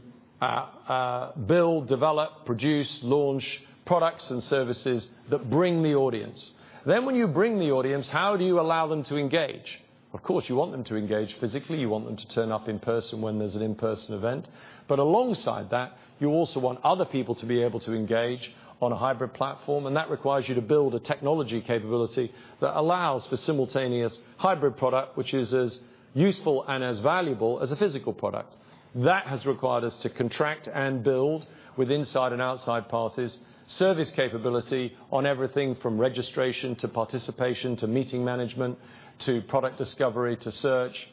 build, develop, produce, launch products and services that bring the audience? When you bring the audience, how do you allow them to engage? Of course, you want them to engage physically, you want them to turn up in person when there's an in-person event. Alongside that, you also want other people to be able to engage on a hybrid platform, and that requires you to build a technology capability that allows for simultaneous hybrid product, which is as useful and as valuable as a physical product. That has required us to contract and build with inside and outside parties, service capability on everything from registration to participation, to meeting management, to product discovery, to search.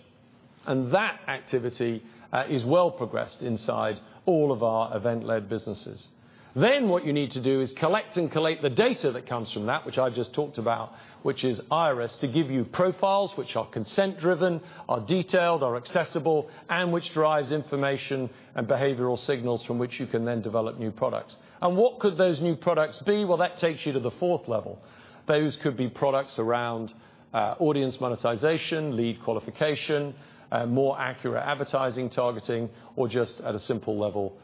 That activity is well progressed inside all of our event-led businesses. What you need to do is collect and collate the data that comes from that, which I've just talked about, which is IIRIS, to give you profiles which are consent-driven, are detailed, are accessible, and which derives information and behavioral signals from which you can then develop new products. What could those new products be? Well, that takes you to the fourth level. Those could be products around audience monetization, lead qualification, more accurate advertising targeting, or just at a simple level,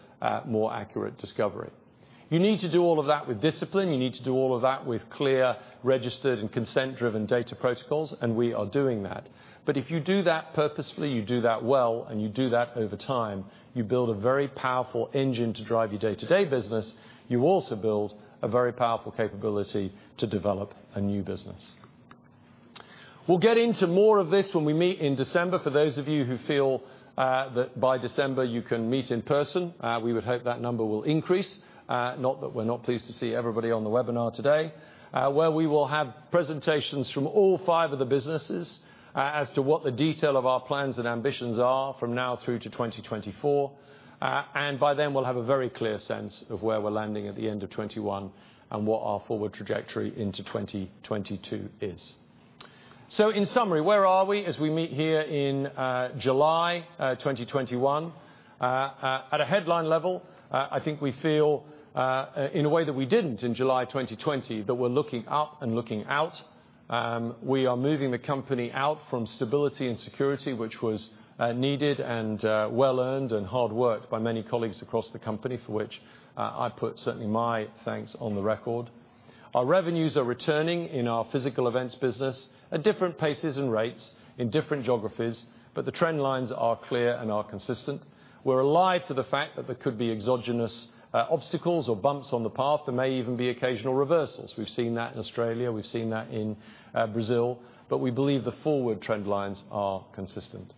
more accurate discovery. You need to do all of that with discipline. You need to do all of that with clear registered and consent-driven data protocols, and we are doing that. If you do that purposefully, you do that well, and you do that over time, you build a very powerful engine to drive your day-to-day business. You also build a very powerful capability to develop a new business. We will get into more of this when we meet in December, for those of you who feel that by December you can meet in person. We would hope that number will increase. Not that we're not pleased to see everybody on the webinar today, where we will have presentations from all five of the businesses as to what the detail of our plans and ambitions are from now through to 2024. By then, we'll have a very clear sense of where we're landing at the end of 2021 and what our forward trajectory into 2022 is. In summary, where are we as we meet here in July 2021? At a headline level, I think we feel, in a way that we didn't in July 2020, that we're looking up and looking out. We are moving the company out from stability and security, which was needed and well-earned and hard-worked by many colleagues across the company, for which I put certainly my thanks on the record. Our revenues are returning in our physical events business at different paces and rates in different geographies, but the trend lines are clear and are consistent. We're alive to the fact that there could be exogenous obstacles or bumps on the path. There may even be occasional reversals. We've seen that in Australia, we've seen that in Brazil. We believe the forward trend lines are consistent.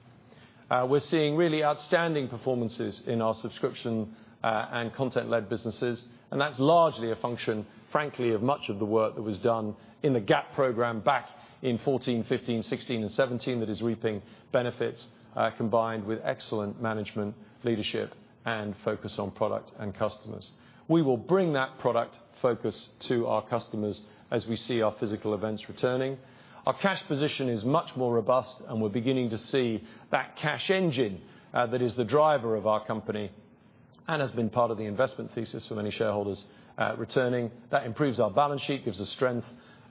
We're seeing really outstanding performances in our subscription and content-led businesses, and that's largely a function, frankly, of much of the work that was done in the GAP program back in 2014, 2015, 2016, and 2017, that is reaping benefits, combined with excellent management, leadership, and focus on product and customers. We will bring that product focus to our customers as we see our physical events returning. Our cash position is much more robust, and we're beginning to see that cash engine that is the driver of our company and has been part of the investment thesis for many shareholders returning. That improves our balance sheet, gives us strength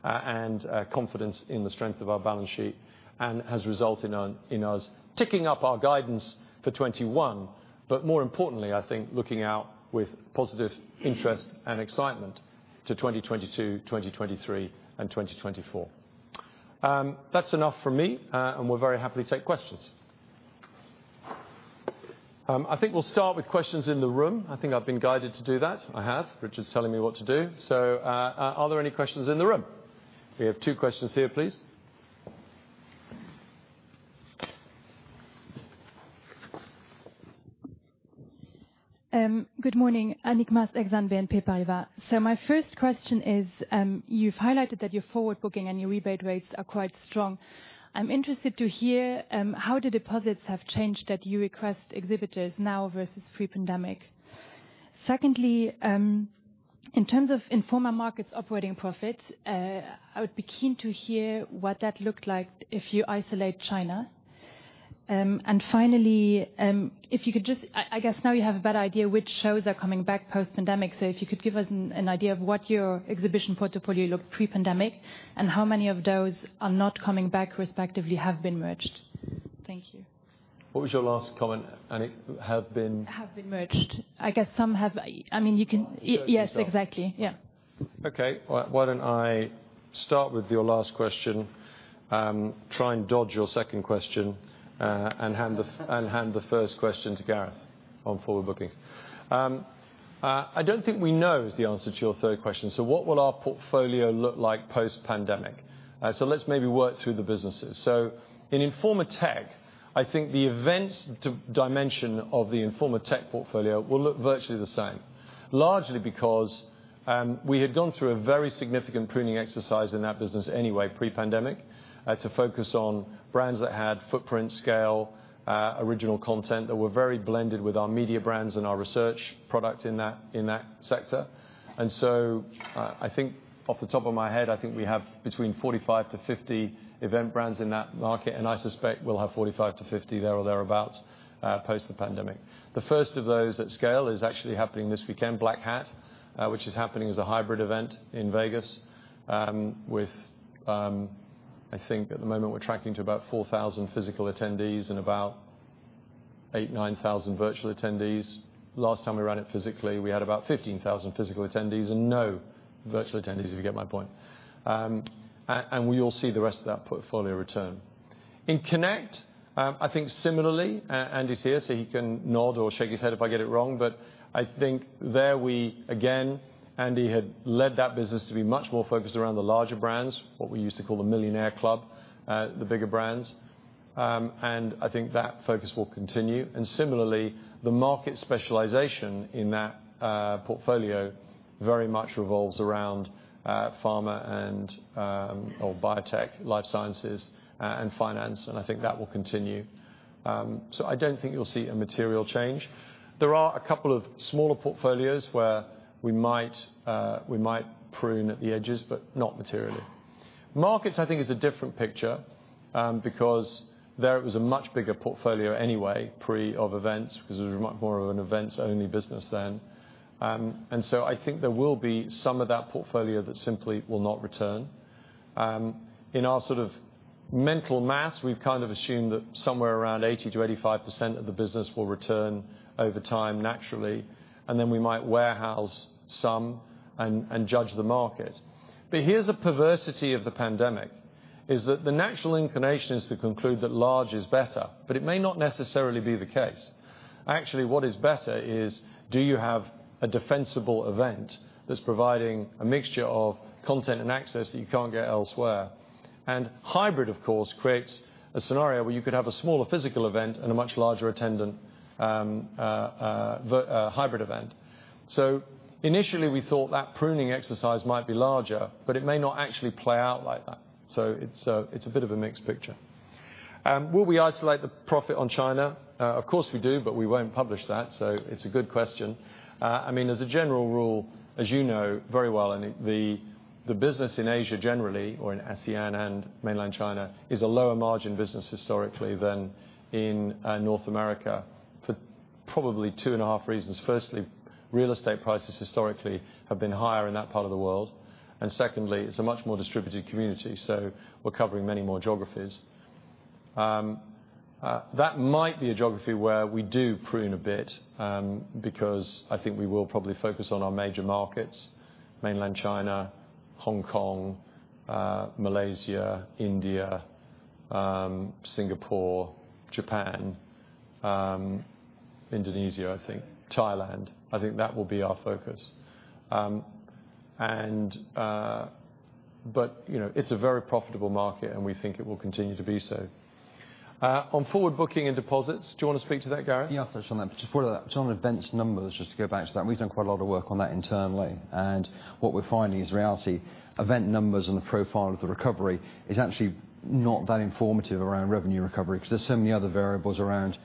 and confidence in the strength of our balance sheet, and has resulted in us ticking up our guidance for 2021. More importantly, I think looking out with positive interest and excitement to 2022, 2023, and 2024. That's enough from me, and we'll very happily take questions. I think we'll start with questions in the room. I think I've been guided to do that. I have. Richard's telling me what to do. Are there any questions in the room? We have two questions here, please. Good morning. Annick Mass, BNP Paribas. My first question is, you've highlighted that your forward booking and your rebate rates are quite strong. I'm interested to hear how the deposits have changed that you request exhibitors now versus pre-pandemic. Secondly, in terms of Informa Markets operating profit, I would be keen to hear what that looked like if you isolate China. Finally, if you could just, I guess now you have a better idea which shows are coming back post-pandemic, so if you could give us an idea of what your exhibition portfolio looked pre-pandemic, and how many of those are not coming back respectively have been merged. Thank you. What was your last comment, Annick? Have been? Have been merged. I guess some have. I mean. Yes, exactly. Yeah. Okay. Why don't I start with your last question, try and dodge your second question, and hand the first question to Gareth on forward bookings. I don't think we know is the answer to your third question. What will our portfolio look like post-pandemic? Let's maybe work through the businesses. In Informa Tech, I think the events dimension of the Informa Tech portfolio will look virtually the same, largely because we had gone through a very significant pruning exercise in that business anyway pre-pandemic to focus on brands that had footprint scale, original content that were very blended with our media brands and our research product in that sector. I think off the top of my head, I think we have between 45%-50% event brands in that market, and I suspect we'll have 45%-50% there or thereabouts, post the pandemic. The first of those at scale is actually happening this weekend, Black Hat, which is happening as a hybrid event in Vegas, with, I think at the moment we're tracking to about 4,000 physical attendees and about 8,000, 9,000 virtual attendees. Last time we ran it physically, we had about 15,000 physical attendees and no virtual attendees, if you get my point. We will see the rest of that portfolio return. In Connect, I think similarly, Andy's here, he can nod or shake his head if I get it wrong. I think there we, again, Andy had led that business to be much more focused around the larger brands, what we used to call the millionaire club, the bigger brands. I think that focus will continue. Similarly, the market specialization in that portfolio very much revolves around pharma or biotech, life sciences and finance. I think that will continue. I don't think you'll see a material change. There are a couple of smaller portfolios where we might prune at the edges, but not materially. Markets, I think is a different picture, because there it was a much bigger portfolio anyway pre of events because it was much more of an events-only business then. I think there will be some of that portfolio that simply will not return. In our sort of mental maths, we've kind of assumed that somewhere around 80%-85% of the business will return over time naturally, and then we might warehouse some and judge the market. Here's a perversity of the pandemic, is that the natural inclination is to conclude that large is better, but it may not necessarily be the case. Actually, what is better is do you have a defensible event that's providing a mixture of content and access that you can't get elsewhere? Hybrid, of course, creates a scenario where you could have a smaller physical event and a much larger attendant hybrid event. Initially, we thought that pruning exercise might be larger, but it may not actually play out like that. It's a bit of a mixed picture. Will we isolate the profit on China? We do, but we won't publish that. It's a good question. As a general rule, as you know very well, the business in Asia generally, or in ASEAN and mainland China, is a lower margin business historically than in North America for probably 2.5 reasons. Real estate prices historically have been higher in that part of the world. Secondly, it's a much more distributed community, so we're covering many more geographies. That might be a geography where we do prune a bit, because I think we will probably focus on our major markets, mainland China, Hong Kong, Malaysia, India, Singapore, Japan, Indonesia, I think, Thailand. I think that will be our focus. It's a very profitable market, and we think it will continue to be so. On forward booking and deposits, do you want to speak to that, Gareth? On events numbers, just to go back to that, we've done quite a lot of work on that internally. What we're finding is reality, event numbers and the profile of the recovery is actually not that informative around revenue recovery because there's so many other variables around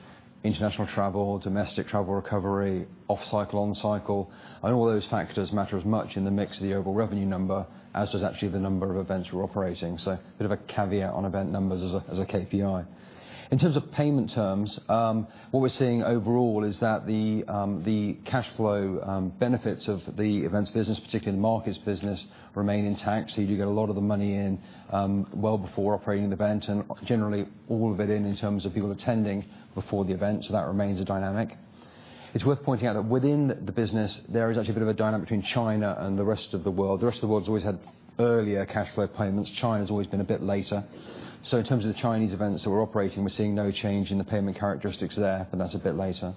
international travel, domestic travel recovery, off cycle, on cycle, and all those factors matter as much in the mix of the overall revenue number as does actually the number of events we're operating. A bit of a caveat on event numbers as a KPI. In terms of payment terms, what we're seeing overall is that the cash flow benefits of the events business, particularly in Markets business, remain intact. You do get a lot of the money in well before operating the event, and generally all of it in terms of people attending before the event. That remains a dynamic. It's worth pointing out that within the business, there is actually a bit of a dynamic between China and the rest of the world. The rest of the world's always had earlier cash flow payments. China's always been a bit later. In terms of the Chinese events that we're operating, we're seeing no change in the payment characteristics there, but that's a bit later.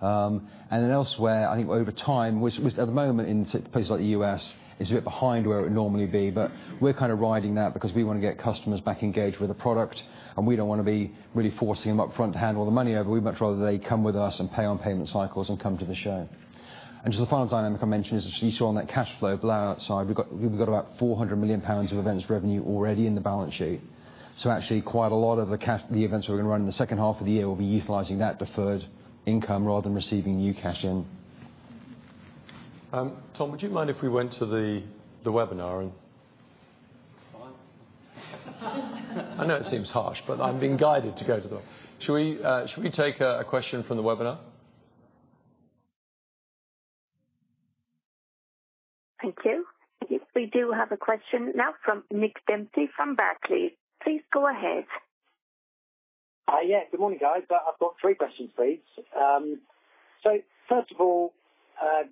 Elsewhere, I think over time, which at the moment in places like the U.S. is a bit behind where it would normally be, but we're kind of riding that because we want to get customers back engaged with the product, and we don't want to be really forcing them up front to hand all the money over. We'd much rather they come with us and pay on payment cycles and come to the show. Just the final dynamic I mentioned is, as you saw on that cash flow blow-out side, we've got about 400 million pounds of events revenue already in the balance sheet. Actually quite a lot of the events we're going to run in the second half of the year will be utilizing that deferred income rather than receiving new cash in. Tom, would you mind if we went to the webinar? Fine. I know it seems harsh, but shall we take a question from the webinar? Thank you. I think we do have a question now from Nick Dempsey from Barclays. Please go ahead. Good morning, guys. I've got three questions, please. First of all,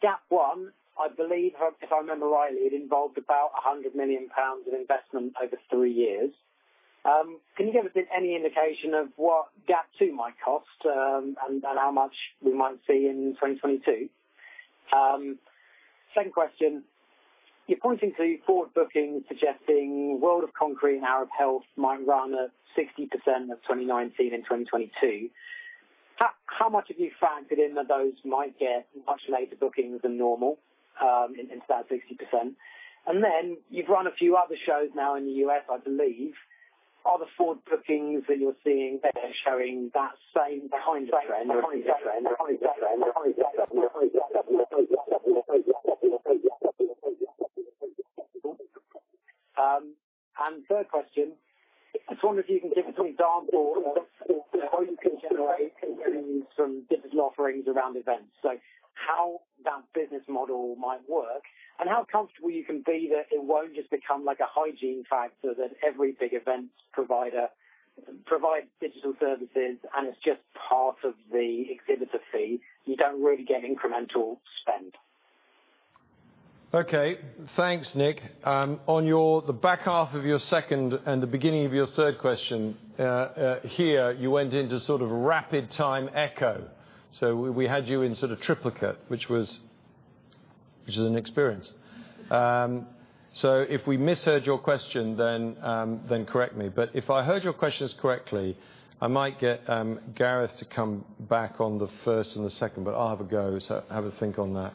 GAP 1, I believe if I remember rightly, it involved about 100 million pounds of investment over three years. Can you give us any indication of what GAP 2 might cost and how much we might see in 2022? Second question, you're pointing to forward booking suggesting World of Concrete and Arab Health might run at 60% of 2019 and 2022. How much have you factored in that those might get much later bookings than normal into that 60%? You've run a few other shows now in the U.S., I believe. Are the forward bookings that you're seeing there showing that same kind of trend? Third question, I just wonder if you can give me some examples of how you can generate revenues from digital offerings around events, so how that business model might work and how comfortable you can be that it won't just become like a hygiene factor that every big event provider provides digital services, and it's just part of the exhibitor fee. You don't really get incremental spend. Okay. Thanks, Nick. On the back half of your second and the beginning of your third question, here you went into sort of rapid time echo. We had you in sort of triplicate, which is an experience. If we misheard your question, then correct me. If I heard your questions correctly, I might get Gareth to come back on the first and the second, but I'll have a go, so have a think on that.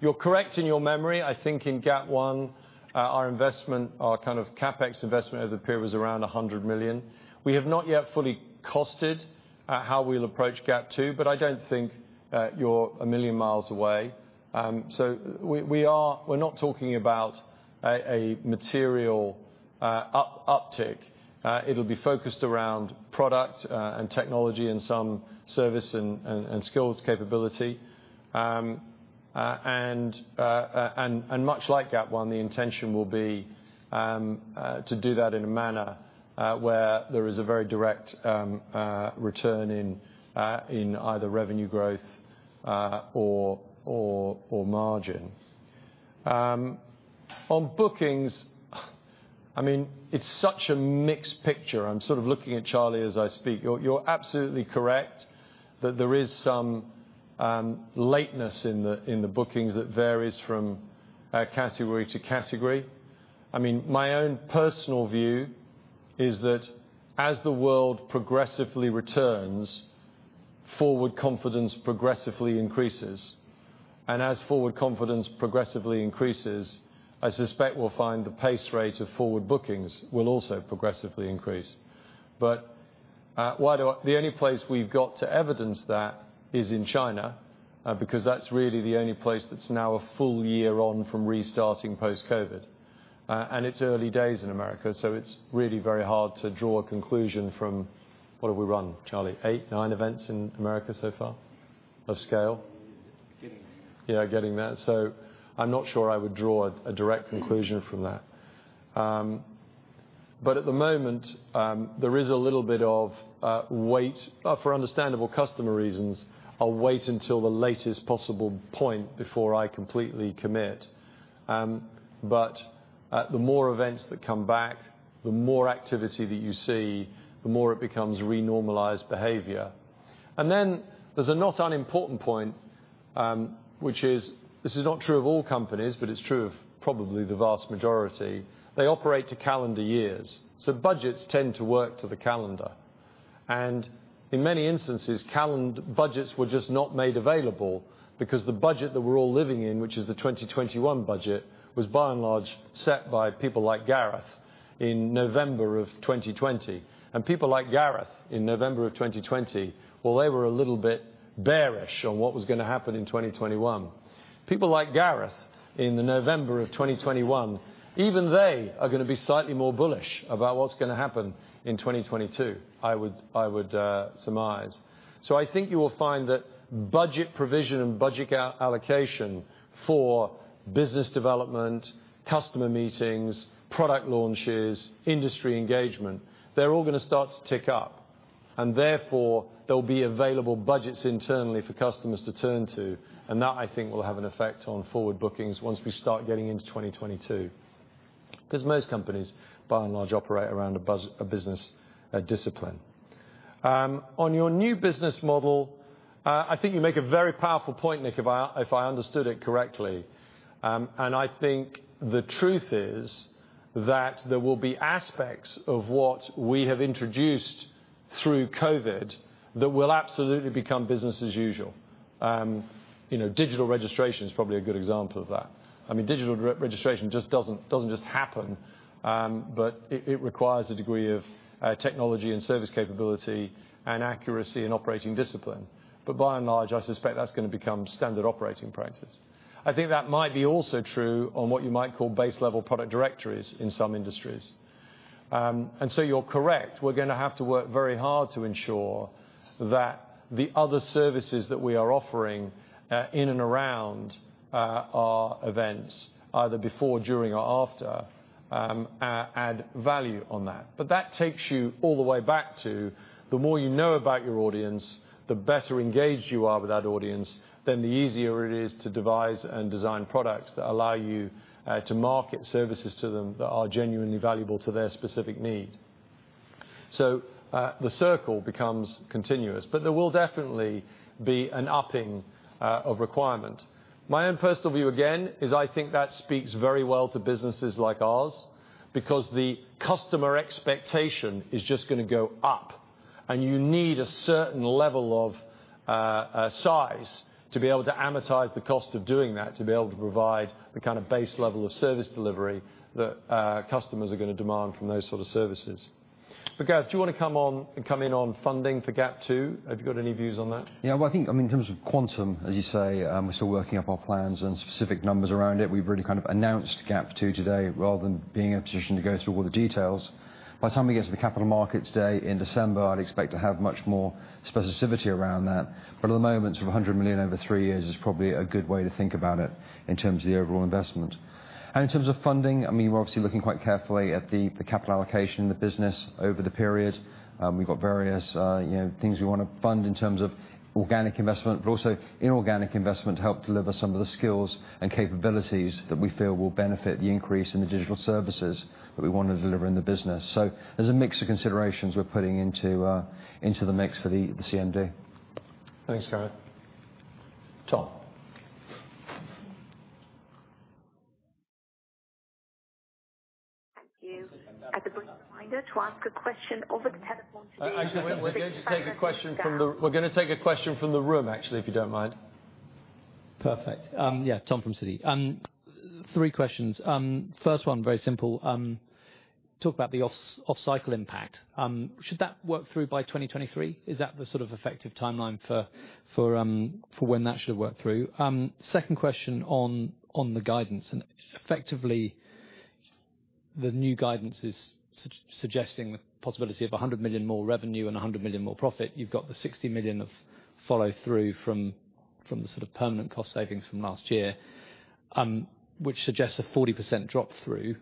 You're correct in your memory. I think in GAP 1 our CapEx investment over the period was around 100 million. We have not yet fully costed how we'll approach GAP 2, but I don't think you're a million miles away. We're not talking about a material uptick. It'll be focused around product and technology and some service and skills capability. Much like GAP 1, the intention will be to do that in a manner where there is a very direct return in either revenue growth or margin. On bookings, it's such a mixed picture. I'm sort of looking at Charlie as I speak. You're absolutely correct that there is some lateness in the bookings that varies from category to category. My own personal view is that as the world progressively returns, forward confidence progressively increases. As forward confidence progressively increases, I suspect we'll find the pace rate of forward bookings will also progressively increase. The only place we've got to evidence that is in China, because that's really the only place that's now a full year on from restarting post-COVID-19. It's early days in America, so it's really very hard to draw a conclusion from what have we run, Charlie? Eight, Nine events in America so far of scale? Getting there. Yeah, getting there. I'm not sure I would draw a direct conclusion from that. At the moment, there is a little bit of wait for understandable customer reasons. I'll wait until the latest possible point before I completely commit. The more events that come back, the more activity that you see, the more it becomes renormalized behavior. Then there's a not unimportant point, which is, this is not true of all companies, but it's true of probably the vast majority. They operate to calendar years, so budgets tend to work to the calendar. In many instances, budgets were just not made available because the budget that we're all living in, which is the 2021 budget, was by and large set by people like Gareth in November of 2020. People like Gareth in November 2020, well, they were a little bit bearish on what was going to happen in 2021. People like Gareth in November 2021, even they are going to be slightly more bullish about what's going to happen in 2022, I would surmise. I think you will find that budget provision and budget allocation for business development, customer meetings, product launches, industry engagement, they're all going to start to tick up. Therefore, there'll be available budgets internally for customers to turn to. That I think will have an effect on forward bookings once we start getting into 2022, because most companies by and large operate around a business discipline. On your new business model, I think you make a very powerful point, Nick Dempsey, if I understood it correctly. I think the truth is that there will be aspects of what we have introduced through COVID-19 that will absolutely become business as usual. Digital registration is probably a good example of that. Digital registration doesn't just happen, but it requires a degree of technology and service capability and accuracy and operating discipline. By and large, I suspect that's going to become standard operating practice. I think that might be also true on what you might call base level product directories in some industries. You're correct, we're going to have to work very hard to ensure that the other services that we are offering in and around our events, either before, during, or after, add value on that. That takes you all the way back to the more you know about your audience, the better engaged you are with that audience, then the easier it is to devise and design products that allow you to market services to them that are genuinely valuable to their specific need. The circle becomes continuous, but there will definitely be an upping of requirement. My own personal view, again, is I think that speaks very well to businesses like ours, because the customer expectation is just going to go up. You need a certain level of size to be able to amortize the cost of doing that, to be able to provide the kind of base level of service delivery that customers are going to demand from those sort of services. Gareth, do you want to come in on funding for GAP 2? Have you got any views on that? I think in terms of quantum, as you say, we're still working up our plans and specific numbers around it. We've really kind of announced GAP 2 today, rather than being in a position to go through all the details. By the time we get to the Capital Markets Day in December, I'd expect to have much more specificity around that. At the moment, sort of 100 million over three years is probably a good way to think about it in terms of the overall investment. In terms of funding, we're obviously looking quite carefully at the capital allocation in the business over the period. We've got various things we want to fund in terms of organic investment, but also inorganic investment to help deliver some of the skills and capabilities that we feel will benefit the increase in the digital services that we want to deliver in the business. There's a mix of considerations we're putting into the mix for the CMD. Thanks, Gareth. Tom. Thank you. Actually, we're going to take a question from the room, actually, if you don't mind. Perfect. Yeah, Tom from Citi. Three questions. First one, very simple. Talk about the off-cycle impact. Should that work through by 2023? Is that the sort of effective timeline for when that should work through? Second question on the guidance. Effectively, the new guidance is suggesting the possibility of 100 million more revenue and 100 million more profit. You've got the 60 million of follow-through from the sort of permanent cost savings from last year, which suggests a 40% drop through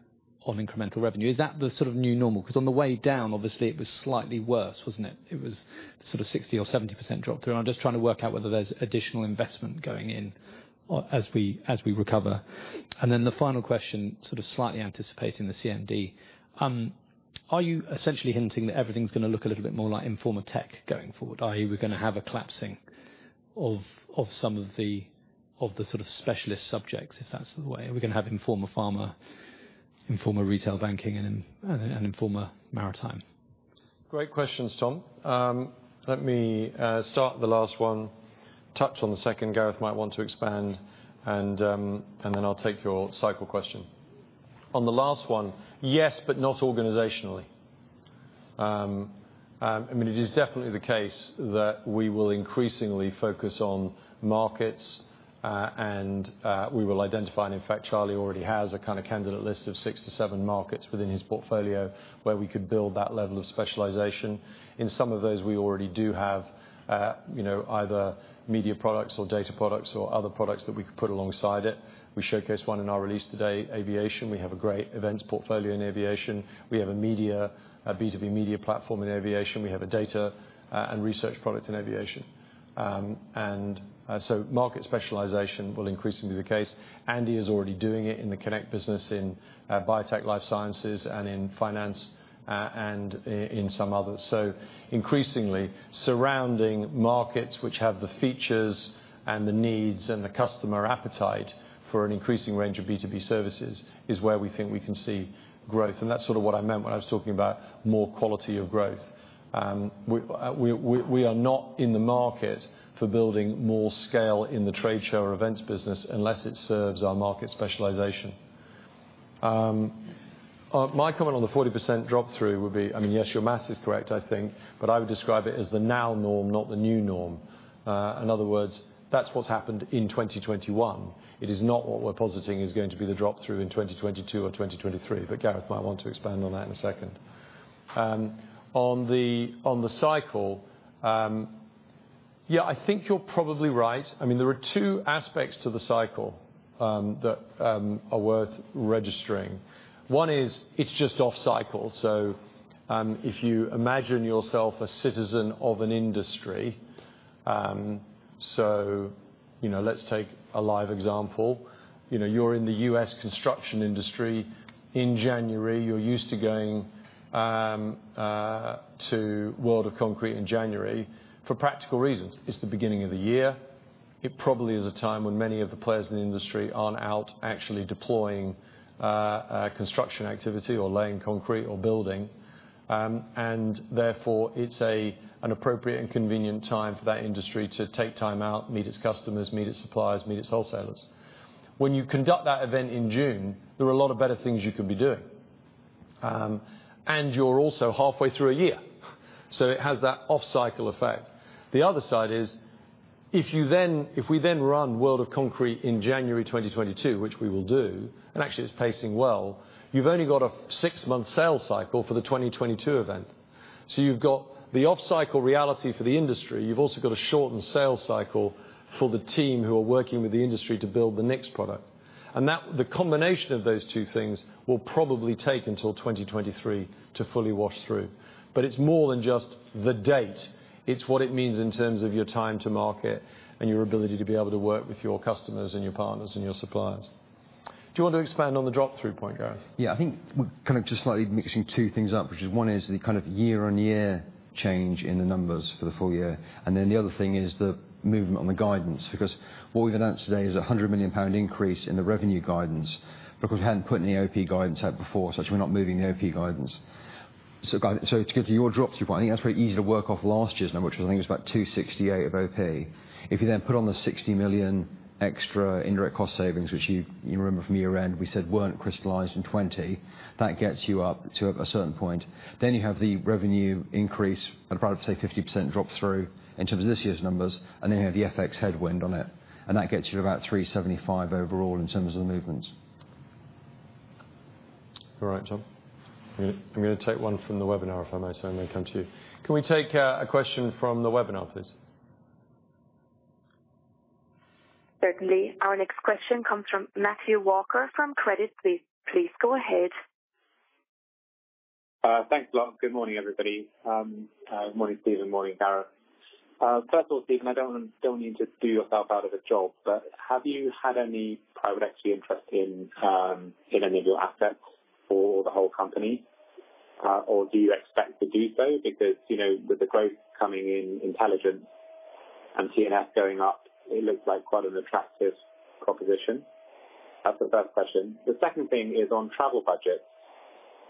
on incremental revenue. Is that the sort of new normal? On the way down, obviously, it was slightly worse, wasn't it? It was sort of 60% or 70% drop through. I'm just trying to work out whether there's additional investment going in as we recover. Then the final question, sort of slightly anticipating the CMD. Are you essentially hinting that everything's going to look a little bit more like Informa Tech going forward, i.e., we're going to have a collapsing of the sort of specialist subjects, if that's the way? Are we going to have Informa Pharma, Informa Retail Banking, and Informa Maritime? Great questions, Tom. Let me start with the last one, touch on the second, Gareth might want to expand, then I'll take your cycle question. On the last one. Yes, but not organizationally. It is definitely the case that we will increasingly focus on markets, we will identify, and in fact, Charlie already has a kind of candidate list of 67 markets within his portfolio, where we could build that level of specialization. In some of those, we already do have either media products or data products or other products that we could put alongside it. We showcased one in our release today, aviation. We have a great events portfolio in aviation. We have a B2B media platform in aviation. We have a data and research product in aviation. Market specialization will increasingly be the case. Andy is already doing it in the Connect business in biotech life sciences and in finance, and in some others. Increasingly, surrounding markets which have the features and the needs and the customer appetite for an increasing range of B2B services is where we think we can see growth. That's sort of what I meant when I was talking about more quality of growth. We are not in the market for building more scale in the trade show or events business unless it serves our market specialization. My comment on the 40% drop-through would be, yes, your math is correct, I think, but I would describe it as the now norm, not the new norm. In other words, that's what's happened in 2021. It is not what we're positing is going to be the drop-through in 2022 or 2023. Gareth might want to expand on that in a second. On the cycle, yeah, I think you're probably right. There are two aspects to the cycle that are worth registering. One is, it's just off-cycle. If you imagine yourself a citizen of an industry, let's take a live example. You're in the U.S. construction industry in January. You're used to going to World of Concrete in January for practical reasons. It's the beginning of the year. It probably is a time when many of the players in the industry aren't out actually deploying construction activity or laying concrete or building. Therefore, it's an appropriate and convenient time for that industry to take time out, meet its customers, meet its suppliers, meet its wholesalers. When you conduct that event in June, there are a lot of better things you could be doing. You're also halfway through a year, so it has that off-cycle effect. The other side is. If we then run World of Concrete in January 2022, which we will do, and actually it's pacing well, you've only got a six-month sales cycle for the 2022 event. You've got the off-cycle reality for the industry. You've also got a shortened sales cycle for the team who are working with the industry to build the next product. The combination of those two things will probably take until 2023 to fully wash through. It's more than just the date. It's what it means in terms of your time to market and your ability to be able to work with your customers and your partners and your suppliers. Do you want to expand on the drop-through point, Gareth? Yeah, I think we're kind of just slightly mixing two things up, which is one is the kind of year-on-year change in the numbers for the full year, and then the other thing is the movement on the guidance. What we've announced today is a 100 million pound increase in the revenue guidance. We hadn't put any OP guidance out before, so actually we're not moving the OP guidance. To go to your drop-through point, I think that's very easy to work off last year's number, which I think was about 268 of OP. If you then put on the 60 million extra indirect cost savings, which you remember from year-end, we said weren't crystallized in 2020, that gets you up to a certain point. You have the revenue increase at about, say, 50% drop-through in terms of this year's numbers, and then you have the FX headwind on it, and that gets you to about 375 overall in terms of the movements. All right, Tom. I'm gonna take one from the webinar, if I may, sir, and then come to you. Can we take a question from the webinar, please? Certainly. Our next question comes from Matthew Walker from Credit Suisse. Please go ahead. Thanks a lot. Good morning, everybody. Good morning, Stephen. Morning, Gareth. First of all, Stephen, I don't mean to do yourself out of a job, but have you had any private equity interest in any of your assets or the whole company? Or do you expect to do so? Because, you know, with the growth coming in Intelligence and T&F going up, it looks like quite an attractive proposition. That's the first question. The second thing is on travel budgets.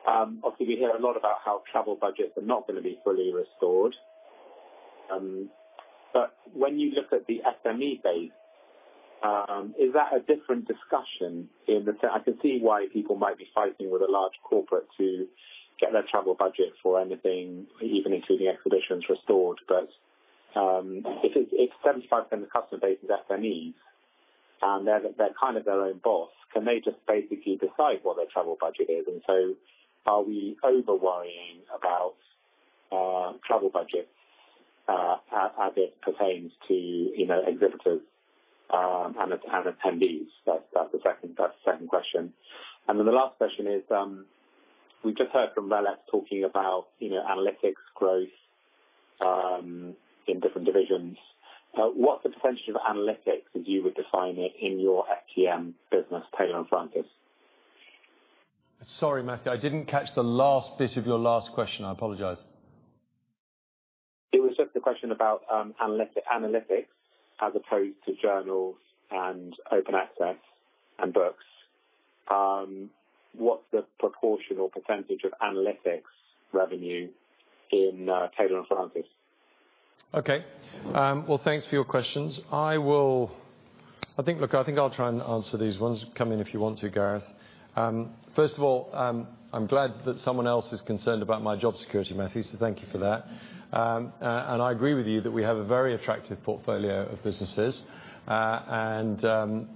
Obviously, we hear a lot about how travel budgets are not going to be fully restored. When you look at the SME base, is that a different discussion? I can see why people might be fighting with a large corporate to get their travel budget for anything, even including exhibitions restored. If 75% of the customer base is SMEs, and they're kind of their own boss, can they just basically decide what their travel budget is? Are we over-worrying about travel budgets as it pertains to exhibitors and attendees? That's the second question. The last question is, we just heard from RELX talking about, you know, analytics growth in different divisions. What's the potential of analytics, as you would define it, in your STM business, Taylor & Francis? Sorry, Matthew, I didn't catch the last bit of your last question. I apologize. It was just a question about analytics as opposed to journals and open access and books. What's the proportion or percentage of analytics revenue in Taylor & Francis? Well, thanks for your questions. Look, I think I'll try and answer these ones. Come in if you want to, Gareth. First of all, I'm glad that someone else is concerned about my job security, Matthew, so thank you for that. I agree with you that we have a very attractive portfolio of businesses, and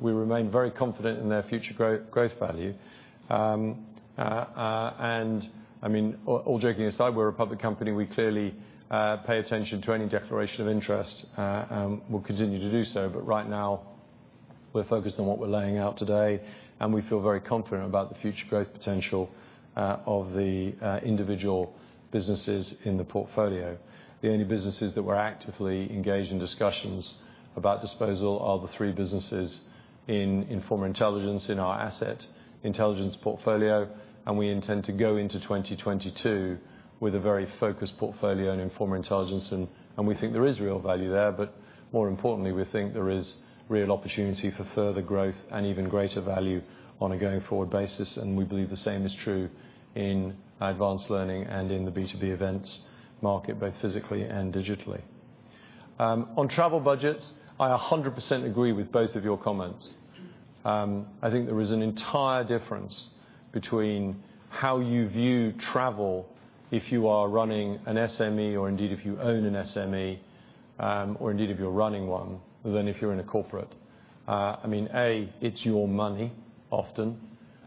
we remain very confident in their future growth value. I mean, all joking aside, we're a public company. We clearly pay attention to any declaration of interest, and will continue to do so. Right now, we're focused on what we're laying out today, and we feel very confident about the future growth potential of the individual businesses in the portfolio. The only businesses that we're actively engaged in discussions about disposal are the three businesses in Informa Intelligence, in our asset intelligence portfolio, and we intend to go into 2022 with a very focused portfolio in Informa Intelligence, and we think there is real value there, but more importantly, we think there is real opportunity for further growth and even greater value on a going-forward basis, and we believe the same is true in advanced learning and in the B2B events market, both physically and digitally. On travel budgets, I 100% agree with both of your comments. I think there is an entire difference between how you view travel if you are running an SME or indeed if you own an SME, or indeed if you're running one, than if you're in a corporate. I mean, A, it's your money, often,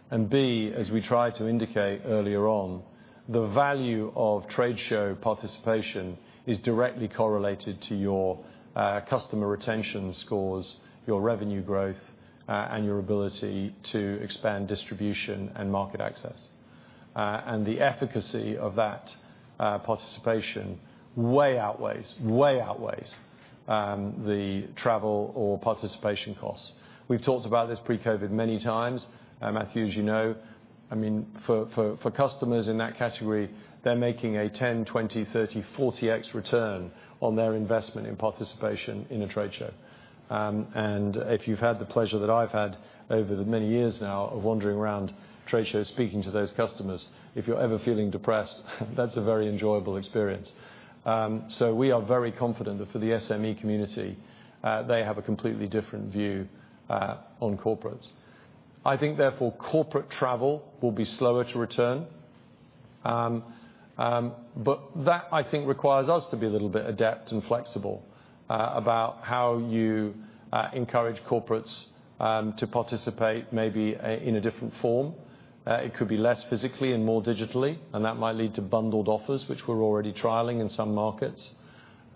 and B, as we tried to indicate earlier on, the value of trade show participation is directly correlated to your customer retention scores, your revenue growth, and your ability to expand distribution and market access. The efficacy of that participation way outweighs the travel or participation costs. We've talked about this pre-COVID many times. Matthew, as you know, I mean, for customers in that category, they're making a 10x, 20x, 30x, 40x return on their investment in participation in a trade show. If you've had the pleasure that I've had over the many years now of wandering around trade shows, speaking to those customers, if you're ever feeling depressed, that's a very enjoyable experience. We are very confident that for the SME community, they have a completely different view on corporates. I think therefore, corporate travel will be slower to return. That, I think, requires us to be a little bit adept and flexible about how you encourage corporates to participate, maybe in a different form. It could be less physically and more digitally, and that might lead to bundled offers, which we're already trialing in some markets.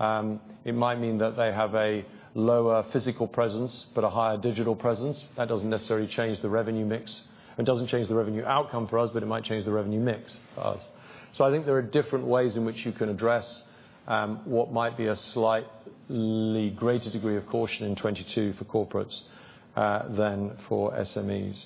It might mean that they have a lower physical presence, but a higher digital presence. That doesn't necessarily change the revenue mix. It doesn't change the revenue outcome for us, but it might change the revenue mix for us. I think there are different ways in which you can address what might be a slightly greater degree of caution in 2022 for corporates than for SMEs.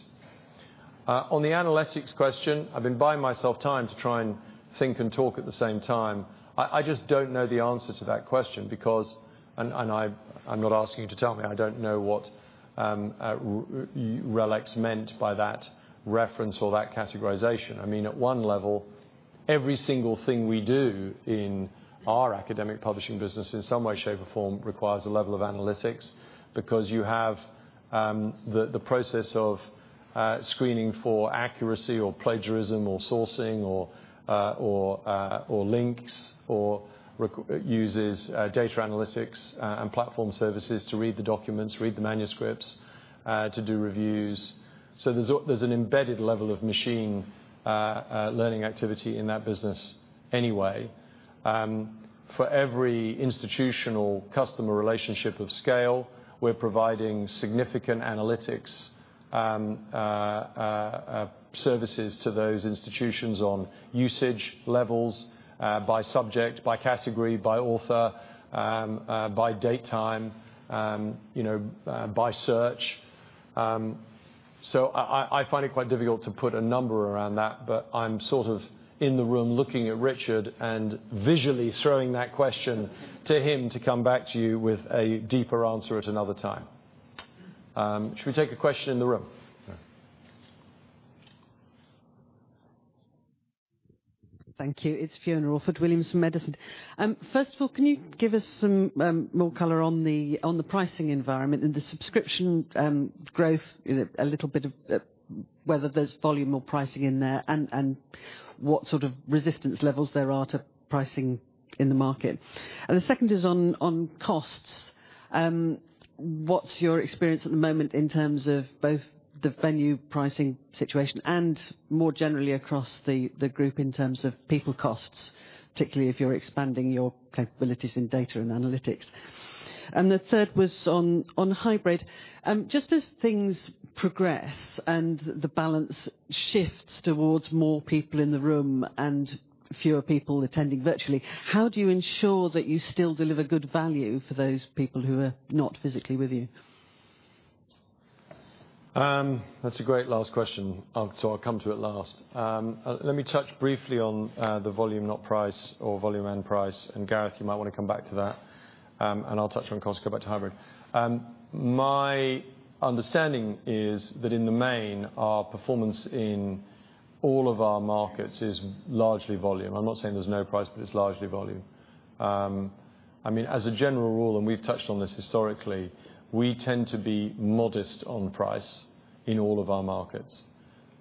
On the analytics question, I've been buying myself time to try and think and talk at the same time. I just don't know the answer to that question because, and I'm not asking you to tell me, I don't know what RELX meant by that reference or that categorization. At one level, every single thing we do in our academic publishing business, in some way, shape, or form, requires a level of analytics because you have the process of screening for accuracy or plagiarism or sourcing or links, or uses data analytics and platform services to read the documents, read the manuscripts, to do reviews. There's an embedded level of machine learning activity in that business anyway. For every institutional customer relationship of scale, we're providing significant analytics services to those institutions on usage levels, by subject, by category, by author, by date, time, by search. I find it quite difficult to put a number around that, but I'm sort of in the room looking at Richard and visually throwing that question to him to come back to you with a deeper answer at another time. Should we take a question in the room? Thank you. It's Fiona Orford-Williams from Edison. First of all, can you give us some more color on the pricing environment and the subscription growth, a little bit of whether there's volume or pricing in there, and what sort of resistance levels there are to pricing in the market? The second is on costs. What's your experience at the moment in terms of both the venue pricing situation and more generally across the group in terms of people costs, particularly if you're expanding your capabilities in data and analytics? The third was on hybrid. Just as things progress and the balance shifts towards more people in the room and fewer people attending virtually, how do you ensure that you still deliver good value for those people who are not physically with you? That's a great last question. I'll come to it last. Let me touch briefly on the volume, not price, or volume and price. Gareth, you might want to come back to that, and I'll touch on cost, go back to hybrid. My understanding is that in the main, our performance in all of our markets is largely volume. I'm not saying there's no price, but it's largely volume. As a general rule, and we've touched on this historically, we tend to be modest on price in all of our markets,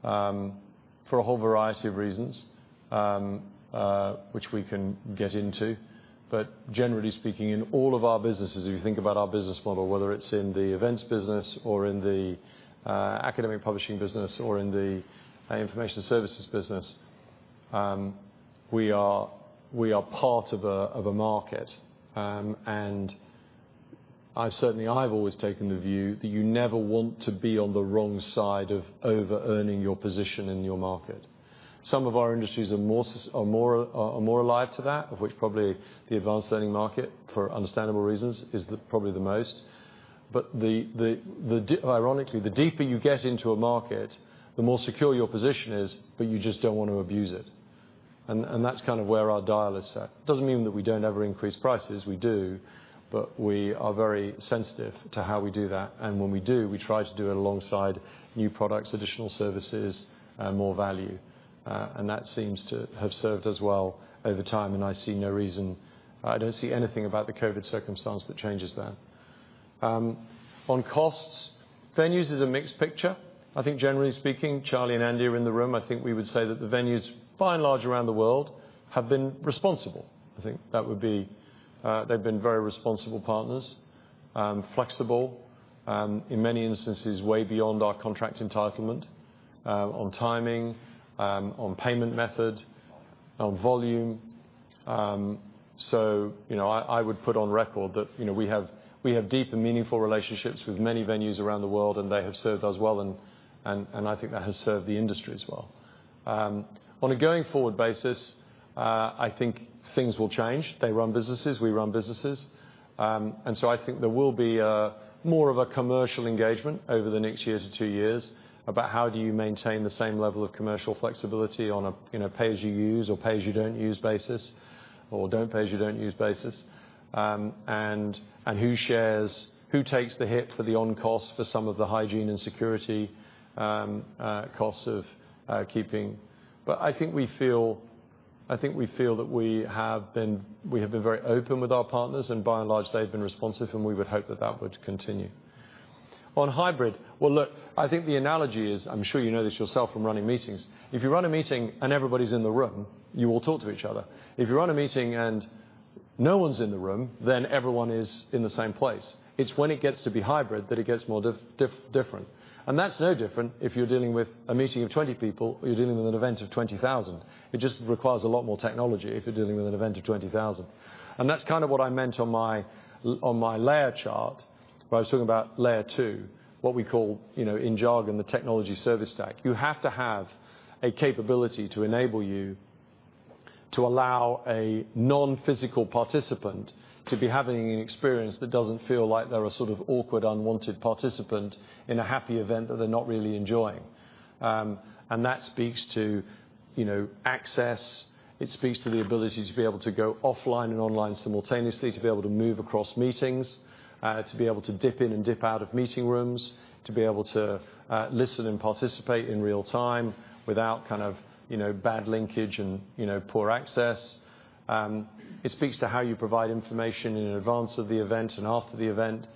for a whole variety of reasons, which we can get into. Generally speaking, in all of our businesses, if you think about our business model, whether it's in the events business or in the academic publishing business or in the information services business, we are part of a market. Certainly, I've always taken the view that you never want to be on the wrong side of over-earning your position in your market. Some of our industries are more alive to that, of which probably the advanced learning market, for understandable reasons, is probably the most. Ironically, the deeper you get into a market, the more secure your position is, but you just don't want to abuse it. That's kind of where our dial is set. It doesn't mean that we don't ever increase prices. We do, but we are very sensitive to how we do that. When we do, we try to do it alongside new products, additional services, more value. That seems to have served us well over time, and I see no reason, I don't see anything about the COVID circumstance that changes that. On costs, venues is a mixed picture. I think generally speaking, Charlie and Andy are in the room, I think we would say that the venues, by and large, around the world have been responsible. I think they've been very responsible partners, flexible, in many instances, way beyond our contract entitlement on timing, on payment method, on volume. I would put on record that we have deep and meaningful relationships with many venues around the world, and they have served us well, and I think that has served the industry as well. On a going-forward basis, I think things will change. They run businesses, we run businesses. I think there will be more of a commercial engagement over the next year to two years about how do you maintain the same level of commercial flexibility on a pay-as-you-use or pay-as-you-don't-use basis, or don't pay as you don't use basis, and who takes the hit for the on cost for some of the hygiene and security costs of keeping. I think we feel that we have been very open with our partners, and by and large, they've been responsive, and we would hope that that would continue. On hybrid, well, look, I think the analogy is, I'm sure you know this yourself from running meetings, if you run a meeting and everybody's in the room, you all talk to each other. If you run a meeting and no one's in the room, then everyone is in the same place. It's when it gets to be hybrid that it gets more different. That's no different if you're dealing with a meeting of 20 people or you're dealing with an event of 20,000. It just requires a lot more technology if you're dealing with an event of 20,000. That's kind of what I meant on my layer chart where I was talking about layer two, what we call, in jargon, the technology service stack. You have to have a capability to enable you to allow a non-physical participant to be having an experience that doesn't feel like they're a sort of awkward, unwanted participant in a happy event that they're not really enjoying. That speaks to access. It speaks to the ability to be able to go offline and online simultaneously, to be able to move across meetings, to be able to dip in and dip out of meeting rooms, to be able to listen and participate in real time without bad linkage and poor access. It speaks to how you provide information in advance of the event and after the event,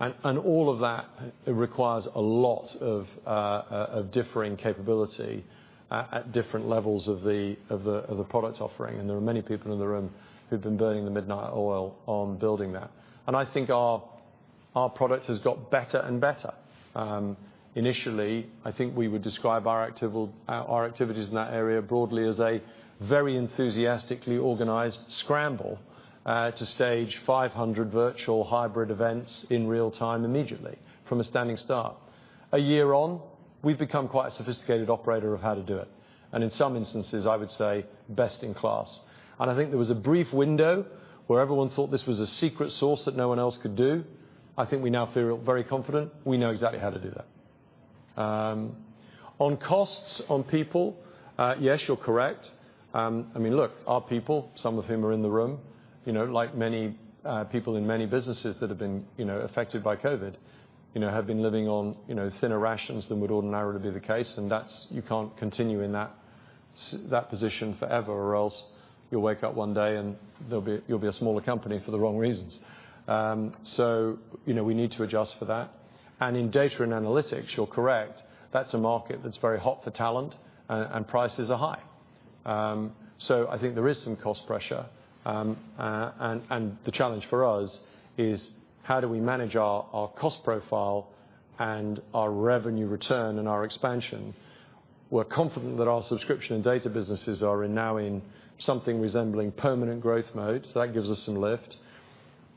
and all of that requires a lot of differing capability at different levels of the product offering, and there are many people in the room who've been burning the midnight oil on building that. I think our product has got better and better. Initially, I think we would describe our activities in that area broadly as a very enthusiastically organized scramble to stage 500 virtual hybrid events in real time immediately from a standing start. A year on, we've become quite a sophisticated operator of how to do it, and in some instances, I would say best in class. I think there was a brief window where everyone thought this was a secret sauce that no one else could do. I think we now feel very confident we know exactly how to do that. On costs on people, yes, you're correct. Look, our people, some of whom are in the room, like many people in many businesses that have been affected by COVID-19, have been living on thinner rations than would ordinarily be the case, and you can't continue in that position forever, or else you'll wake up one day and you'll be a smaller company for the wrong reasons. We need to adjust for that. In data and analytics, you're correct. That's a market that's very hot for talent and prices are high. I think there is some cost pressure. The challenge for us is how do we manage our cost profile and our revenue return and our expansion? We're confident that our subscription and data businesses are now in something resembling permanent growth mode, that gives us some lift.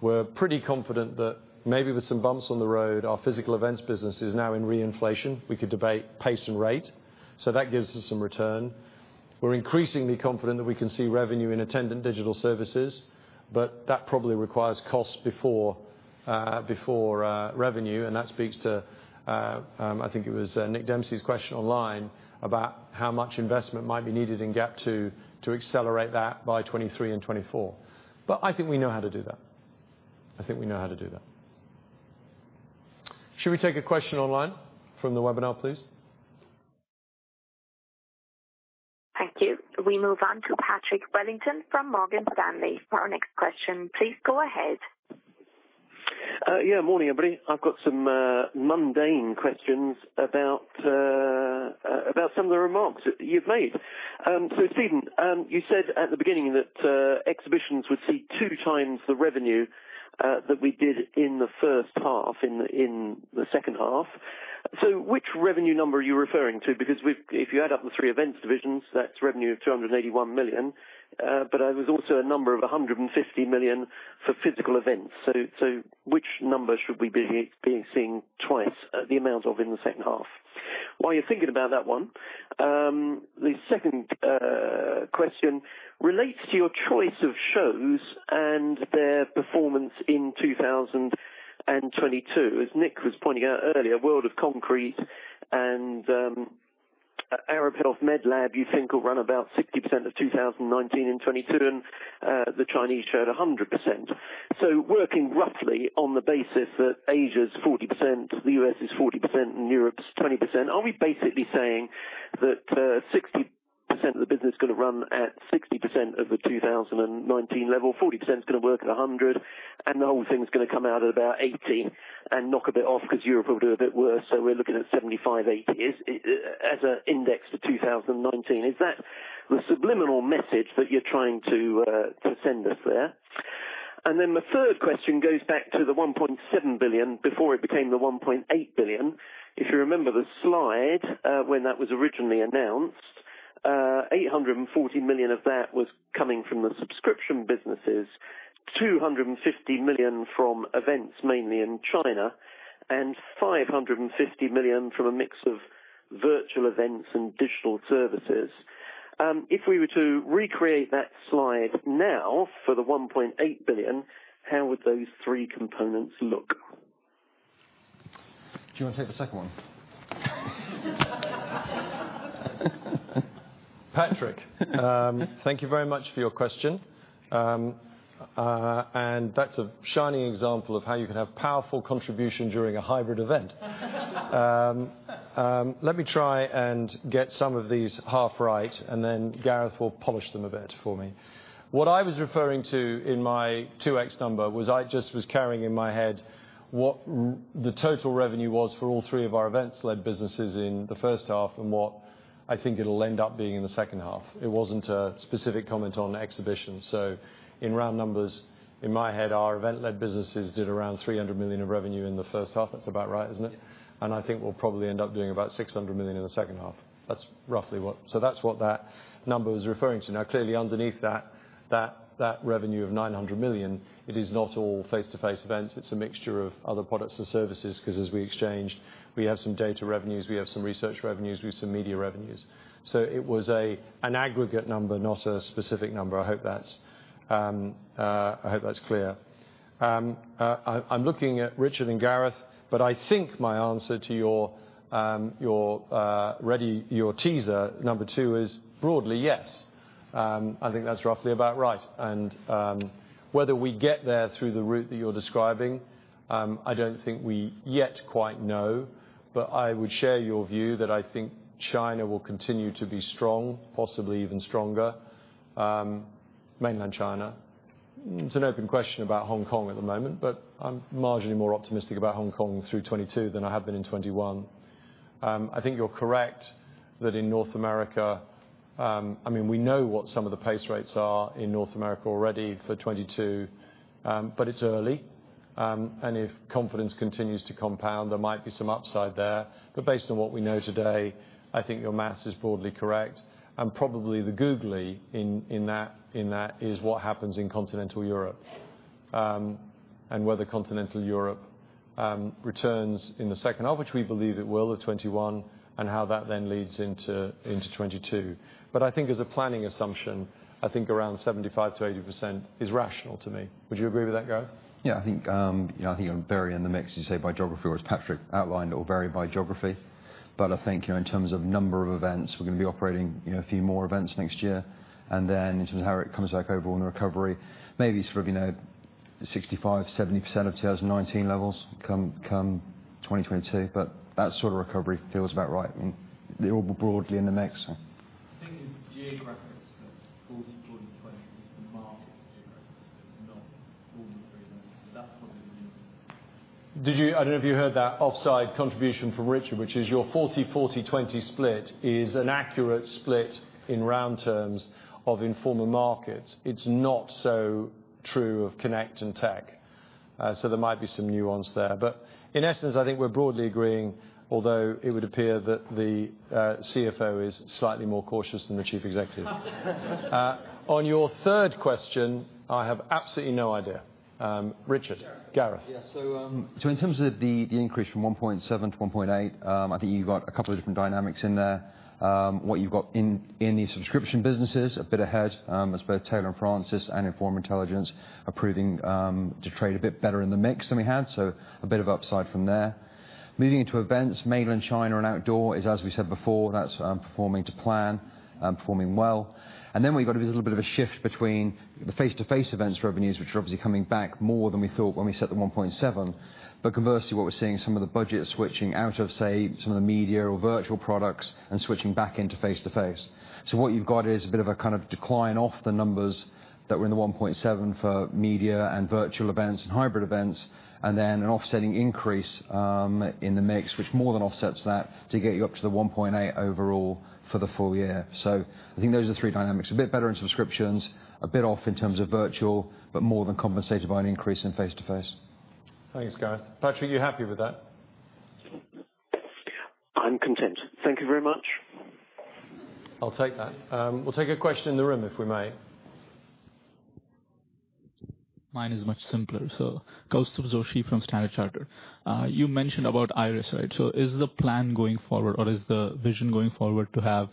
We're pretty confident that maybe with some bumps on the road, our physical events business is now in reinflation. We could debate pace and rate. That gives us some return. We're increasingly confident that we can see revenue in attendant digital services, that probably requires cost before revenue, and that speaks to, I think it was Nick Dempsey's question online, about how much investment might be needed in GAP 2 to accelerate that by 2023 and 2024. I think we know how to do that. I think we know how to do that. Should we take a question online from the webinar, please? Thank you. We move on to Patrick Wellington from Morgan Stanley for our next question. Please go ahead. Morning, everybody. I've got some mundane questions about some of the remarks that you've made. Stephen, you said at the beginning that Exhibitions would see two times the revenue that we did in the first half in the second half. Which revenue number are you referring to? If you add up the three events divisions, that's revenue of 281 million. There was also a number of 150 million for physical events. Which number should we be seeing twice the amount of in the second half? While you're thinking about that one, the second question relates to your choice of shows and their performance in 2022. As Nick was pointing out earlier, World of Concrete and Arab Health Medlab you think will run about 60% of 2019 in 2022, and the Chinese showed 100%. Working roughly on the basis that Asia's 40%, the U.S. is 40%, and Europe's 20%, are we basically saying that 60% of the business is going to run at 60% of the 2019 level, 40% is going to work at 100, and the whole thing is going to come out at about 80% and knock a bit off because Europe will do a bit worse, so we're looking at 75%, 80% as an index for 2019. Is that the subliminal message that you're trying to send us there? The third question goes back to the 1.7 billion before it became the 1.8 billion. If you remember the slide when that was originally announced, 840 million of that was coming from the subscription businesses, 250 million from events mainly in China, and 550 million from a mix of virtual events and digital services. If we were to recreate that slide now for the 1.8 billion, how would those three components look? Do you want to take the second one? Patrick, thank you very much for your question. That's a shining example of how you can have powerful contribution during a hybrid event. Let me try and get some of these half right, then Gareth will polish them a bit for me. What I was referring to in my 2x number was I just was carrying in my head what the total revenue was for all three of our events-led businesses in the first half, and what I think it'll end up being in the second half. It wasn't a specific comment on exhibition. In round numbers, in my head, our event-led businesses did around 300 million of revenue in the first half. That's about right, isn't it? I think we'll probably end up doing about 600 million in the second half. That's what that number was referring to. Clearly underneath that revenue of 900 million, it is not all face-to-face events. It's a mixture of other products and services, because as we exchanged, we have some data revenues, we have some research revenues, we have some media revenues. It was an aggregate number, not a specific number. I hope that's clear. I'm looking at Richard and Gareth, but I think my answer to your teaser number two is broadly yes. I think that's roughly about right, and whether we get there through the route that you're describing, I don't think we yet quite know. I would share your view that I think China will continue to be strong, possibly even stronger, Mainland China. It's an open question about Hong Kong at the moment, but I'm marginally more optimistic about Hong Kong through 2022 than I have been in 2021. I think you're correct that in North America, we know what some of the pace rates are in North America already for 2022. It's early, and if confidence continues to compound, there might be some upside there. Based on what we know today, I think your math is broadly correct, and probably the googly in that is what happens in continental Europe, and whether continental Europe returns in the second half, which we believe it will, of 2021, and how that then leads into 2022. I think as a planning assumption, I think around 75%-80% is rational to me. Would you agree with that, Gareth? I think very in the mix, as you say, by geography, or as Patrick outlined, it will vary by geography. I think in terms of number of events, we're going to be operating a few more events next year. In terms of how it comes back overall in the recovery, maybe sort of 65%-70% of 2019 levels come 2022. That sort of recovery feels about right. They're all broadly in the mix. The thing is geographic split, 40/40/20 is the Informa Markets geographic split, not all the businesses. That's probably the nuance. I don't know if you heard that offside contribution from Richard, which is your 40/40/20 split is an accurate split in round terms of Informa Markets. It's not so true of Connect and Tech, so there might be some nuance there. In essence, I think we're broadly agreeing, although it would appear that the CFO is slightly more cautious than the Chief Executive. On your third question, I have absolutely no idea. Richard, Gareth. In terms of the increase from 1.7-1.8, I think you've got a couple of different dynamics in there. What you've got in the subscription businesses, a bit ahead, as both Taylor & Francis and Informa Intelligence are proving to trade a bit better in the mix than we had. A bit of upside from there. Moving into events, Mainland China and outdoor is, as we said before, that's performing to plan, performing well. What we've got is a little bit of a shift between the face-to-face events revenues, which are obviously coming back more than we thought when we set the 1.7. Conversely, what we're seeing is some of the budget switching out of, say, some of the media or virtual products and switching back into face to face. What you've got is a bit of a kind of decline off the numbers that were in 1.7 for media and virtual events and hybrid events, and then an offsetting increase in the mix, which more than offsets that to get you up to 1.8 overall for the full year. I think those are the three dynamics, a bit better in subscriptions, a bit off in terms of virtual, but more than compensated by an increase in face to face. Thanks, Gareth. Patrick, you happy with that? I'm content. Thank you very much. I'll take that. We'll take a question in the room, if we may. Mine is much simpler. Kaustubh Joshi from Standard Chartered. You mentioned about IIRIS, right? Is the plan going forward, or is the vision going forward to have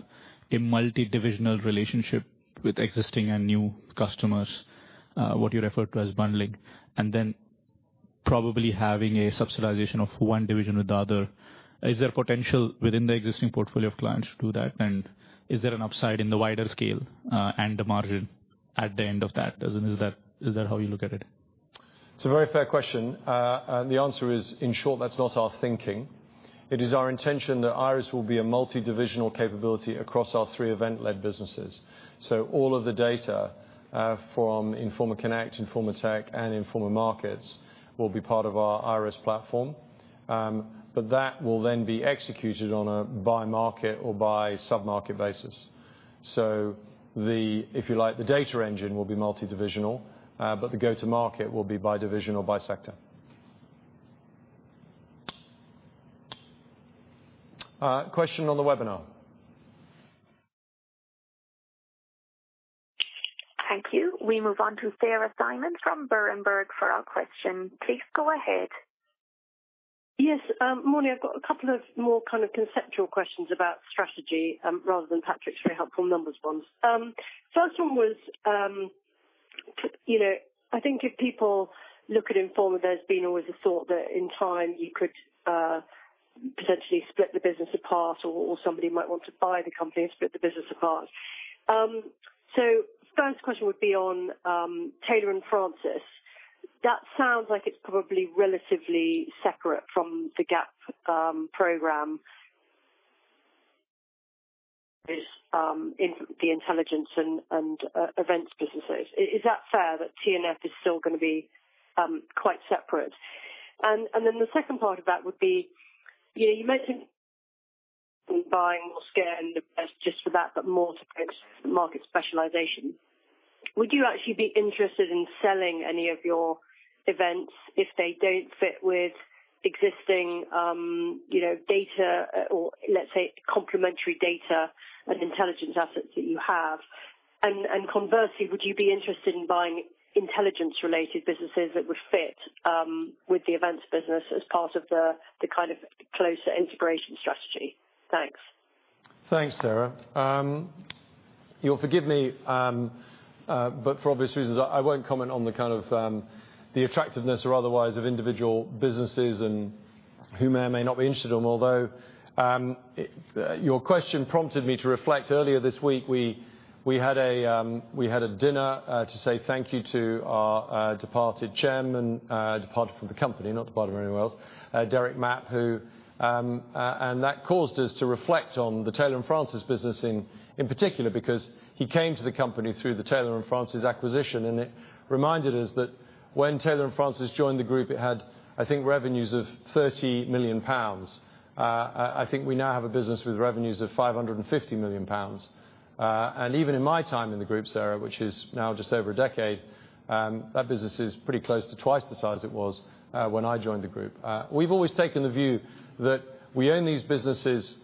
a multidivisional relationship with existing and new customers, what you referred to as bundling, and then probably having a subsidization of one division with the other? Is there potential within the existing portfolio of clients to do that, and is there an upside in the wider scale and the margin at the end of that? Is that how you look at it? It's a very fair question. The answer is, in short, that's not our thinking. It is our intention that IIRIS will be a multidivisional capability across our three event-led businesses. All of the data from Informa Connect, Informa Tech and Informa Markets will be part of our IIRIS platform. That will then be executed on a by market or by sub-market basis. If you like, the data engine will be multidivisional, but the go to market will be by division or by sector. Question on the webinar. Thank you. We move on to Sarah Simon from Berenberg for our question. Please go ahead. Yes. Morning. I've got a couple of more kind of conceptual questions about strategy rather than Patrick's very helpful numbers ones. First one was, I think if people look at Informa, there's been always a thought that in time you could potentially split the business apart or somebody might want to buy the company and split the business apart. First question would be on Taylor & Francis That sounds like it's probably relatively separate from the GAP program. Is the intelligence and events businesses? Is that fair that T&F is still going to be quite separate? The second part of that would be, you mentioned buying or scaling the businesses just for that, but more to the market specialization. Would you actually be interested in selling any of your events if they don't fit with existing data, or let's say, complementary data and intelligence assets that you have? Conversely, would you be interested in buying intelligence-related businesses that would fit with the events business as part of the closer integration strategy? Thanks. Thanks, Sarah. You'll forgive me, but for obvious reasons, I won't comment on the attractiveness or otherwise of individual businesses and who may or may not be interested in them. Your question prompted me to reflect earlier this week, we had a dinner to say thank you to our departed chairman, departed from the company, not departed from anywhere else, Derek Mapp, and that caused us to reflect on the Taylor & Francis business in particular because he came to the company through the Taylor & Francis acquisition, and it reminded us that when Taylor & Francis joined the group, it had, I think, revenues of 30 million pounds. I think we now have a business with revenues of 550 million pounds. Even in my time in the group, Sarah, which is now just over a decade, that business is pretty close to twice the size it was when I joined the group. We've always taken the view that we own these businesses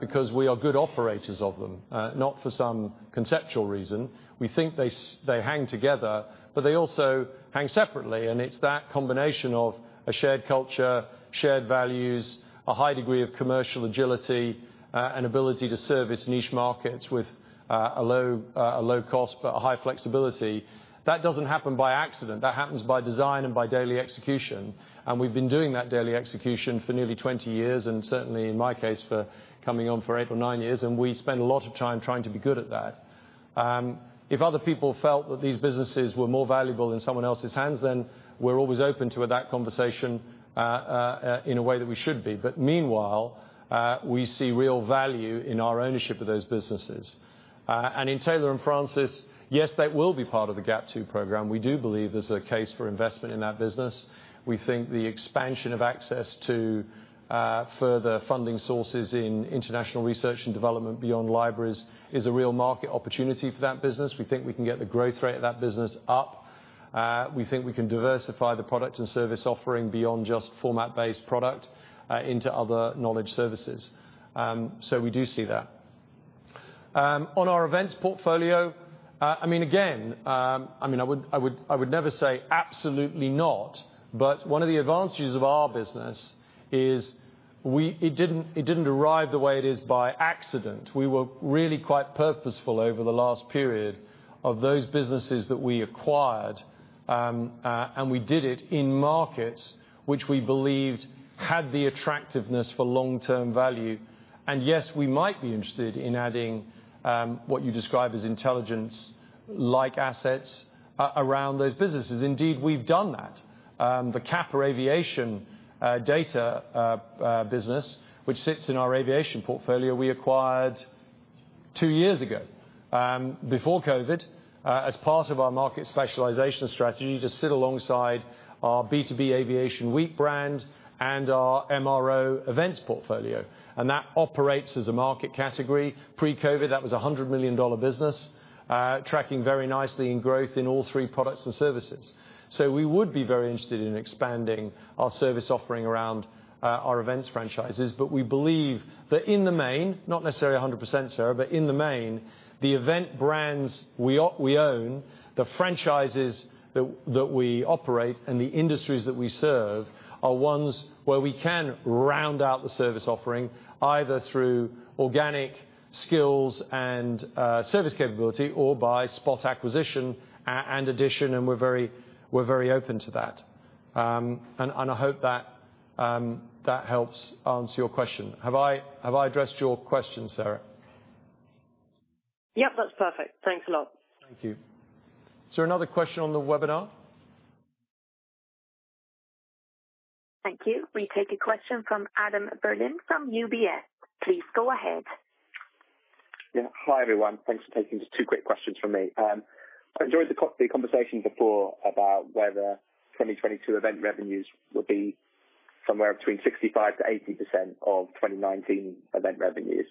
because we are good operators of them, not for some conceptual reason. We think they hang together, but they also hang separately, and it's that combination of a shared culture, shared values, a high degree of commercial agility, and ability to service niche markets with a low cost but a high flexibility. That doesn't happen by accident. That happens by design and by daily execution. We've been doing that daily execution for nearly 20 years, and certainly in my case, for coming on for eight or nine years, and we spend a lot of time trying to be good at that. If other people felt that these businesses were more valuable in someone else's hands, then we're always open to that conversation in a way that we should be. Meanwhile, we see real value in our ownership of those businesses. In Taylor & Francis, yes, that will be part of the GAP 2 program. We do believe there's a case for investment in that business. We think the expansion of access to further funding sources in international research and development beyond libraries is a real market opportunity for that business. We think we can get the growth rate of that business up. We think we can diversify the product and service offering beyond just format-based product into other knowledge services. We do see that. On our events portfolio, again, I would never say absolutely not, but one of the advantages of our business is it didn't arrive the way it is by accident. We were really quite purposeful over the last period of those businesses that we acquired, and we did it in markets which we believed had the attractiveness for long-term value. Yes, we might be interested in adding, what you describe as intelligence-like assets around those businesses. Indeed, we've done that. The CAPA aviation data business, which sits in our aviation portfolio we acquired two years ago, before COVID-19, as part of our market specialization strategy to sit alongside our B2B Aviation Week brand and our MRO events portfolio. That operates as a market category. Pre-COVID-19, that was a GBP 100 million business, tracking very nicely in growth in all three products and services. We would be very interested in expanding our service offering around our events franchises. We believe that in the main, not necessarily 100%, Sarah, but in the main, the event brands we own, the franchises that we operate, and the industries that we serve are ones where we can round out the service offering either through organic skills and service capability or by spot acquisition and addition, and we're very open to that. I hope that helps answer your question. Have I addressed your question, Sarah? Yep, that's perfect. Thanks a lot. Thank you. Is there another question on the webinar? Thank you. We take a question from Adam Berlin from UBS. Please go ahead. Yeah. Hi, everyone. Thanks for taking just two quick questions from me. I enjoyed the conversation before about whether 2022 event revenues will be somewhere between 65%-80% of 2019 event revenues.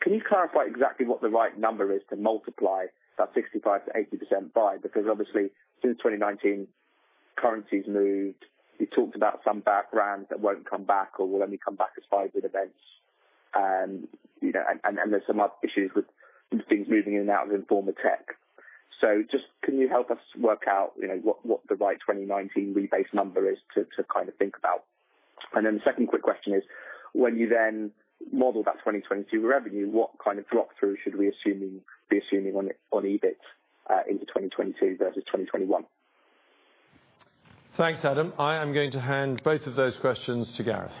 Can you clarify exactly what the right number is to multiply that 65%-80% by? Obviously, since 2019, currency's moved. You talked about some backgrounds that won't come back or will only come back as hybrid events. There's some other issues with things moving in and out of Informa Tech. Just can you help us work out what the right 2019 rebase number is to think about? The second quick question is, when you then model that 2022 revenue, what kind of drop-through should we be assuming on EBIT into 2022 versus 2021? Thanks, Adam. I am going to hand both of those questions to Gareth.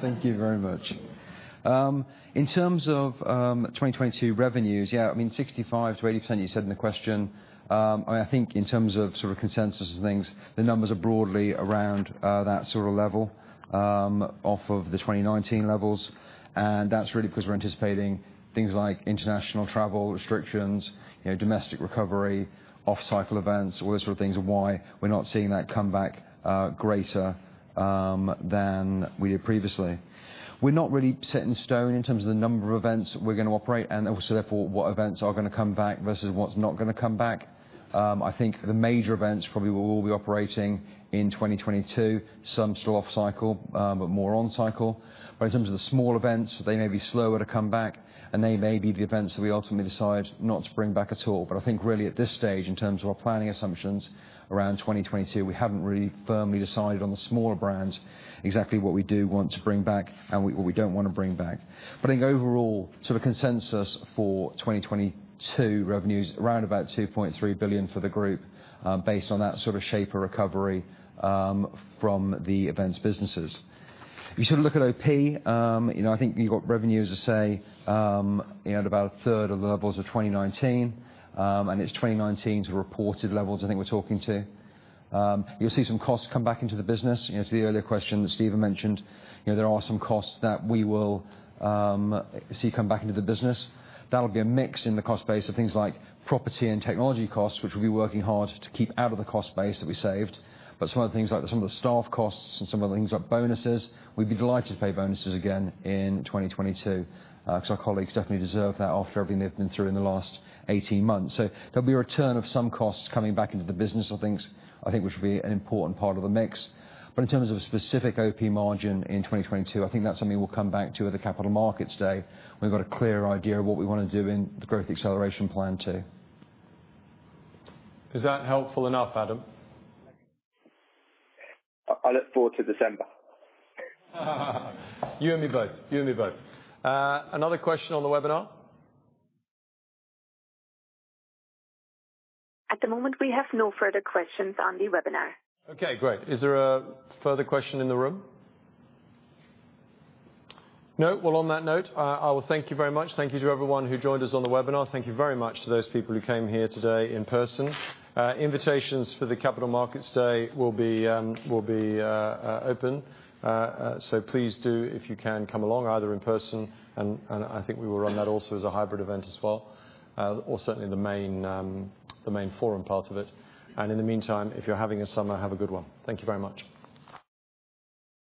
Thank you very much. In terms of 2022 revenues, yeah, 65%-80%, you said in the question. I think in terms of consensus of things, the numbers are broadly around that sort of level off of the 2019 levels. That's really because we're anticipating things like international travel restrictions, domestic recovery, off-cycle events, all those sort of things are why we're not seeing that come back greater than we did previously. We're not really set in stone in terms of the number of events we're going to operate, and also therefore, what events are going to come back versus what's not going to come back. I think the major events probably will all be operating in 2022, some sort of off-cycle, but more on cycle. In terms of the small events, they may be slower to come back, and they may be the events that we ultimately decide not to bring back at all. I think really at this stage, in terms of our planning assumptions around 2022, we haven't really firmly decided on the smaller brands exactly what we do want to bring back and what we don't want to bring back. I think overall, sort of consensus for 2022 revenues, around about 2.3 billion for the group, based on that sort of shape of recovery from the events businesses. If you look at OP, I think you've got revenues to say, at about a third of the levels of 2019. It's 2019's reported levels I think we're talking to. You'll see some costs come back into the business. To the earlier question that Stephen mentioned, there are some costs that we will see come back into the business. That'll be a mix in the cost base of things like property and technology costs, which we'll be working hard to keep out of the cost base that we saved. Some of the things like some of the staff costs and some of the things like bonuses, we'd be delighted to pay bonuses again in 2022. Our colleagues definitely deserve that after everything they've been through in the last 18 months. There'll be a return of some costs coming back into the business of things, I think which will be an important part of the mix. In terms of a specific OP margin in 2022, I think that's something we'll come back to at the Capital Markets Day, when we've got a clearer idea of what we want to do in the Growth Acceleration Plan II. Is that helpful enough, Adam? I look forward to December. You and me both. Another question on the webinar? At the moment, we have no further questions on the webinar. Okay, great. Is there a further question in the room? No? On that note, I will thank you very much. Thank you to everyone who joined us on the webinar. Thank you very much to those people who came here today in person. Invitations for the Capital Markets Day will be open. Please do, if you can, come along, either in person, and I think we will run that also as a hybrid event as well. Certainly the main forum part of it. In the meantime, if you're having a summer, have a good one. Thank you very much.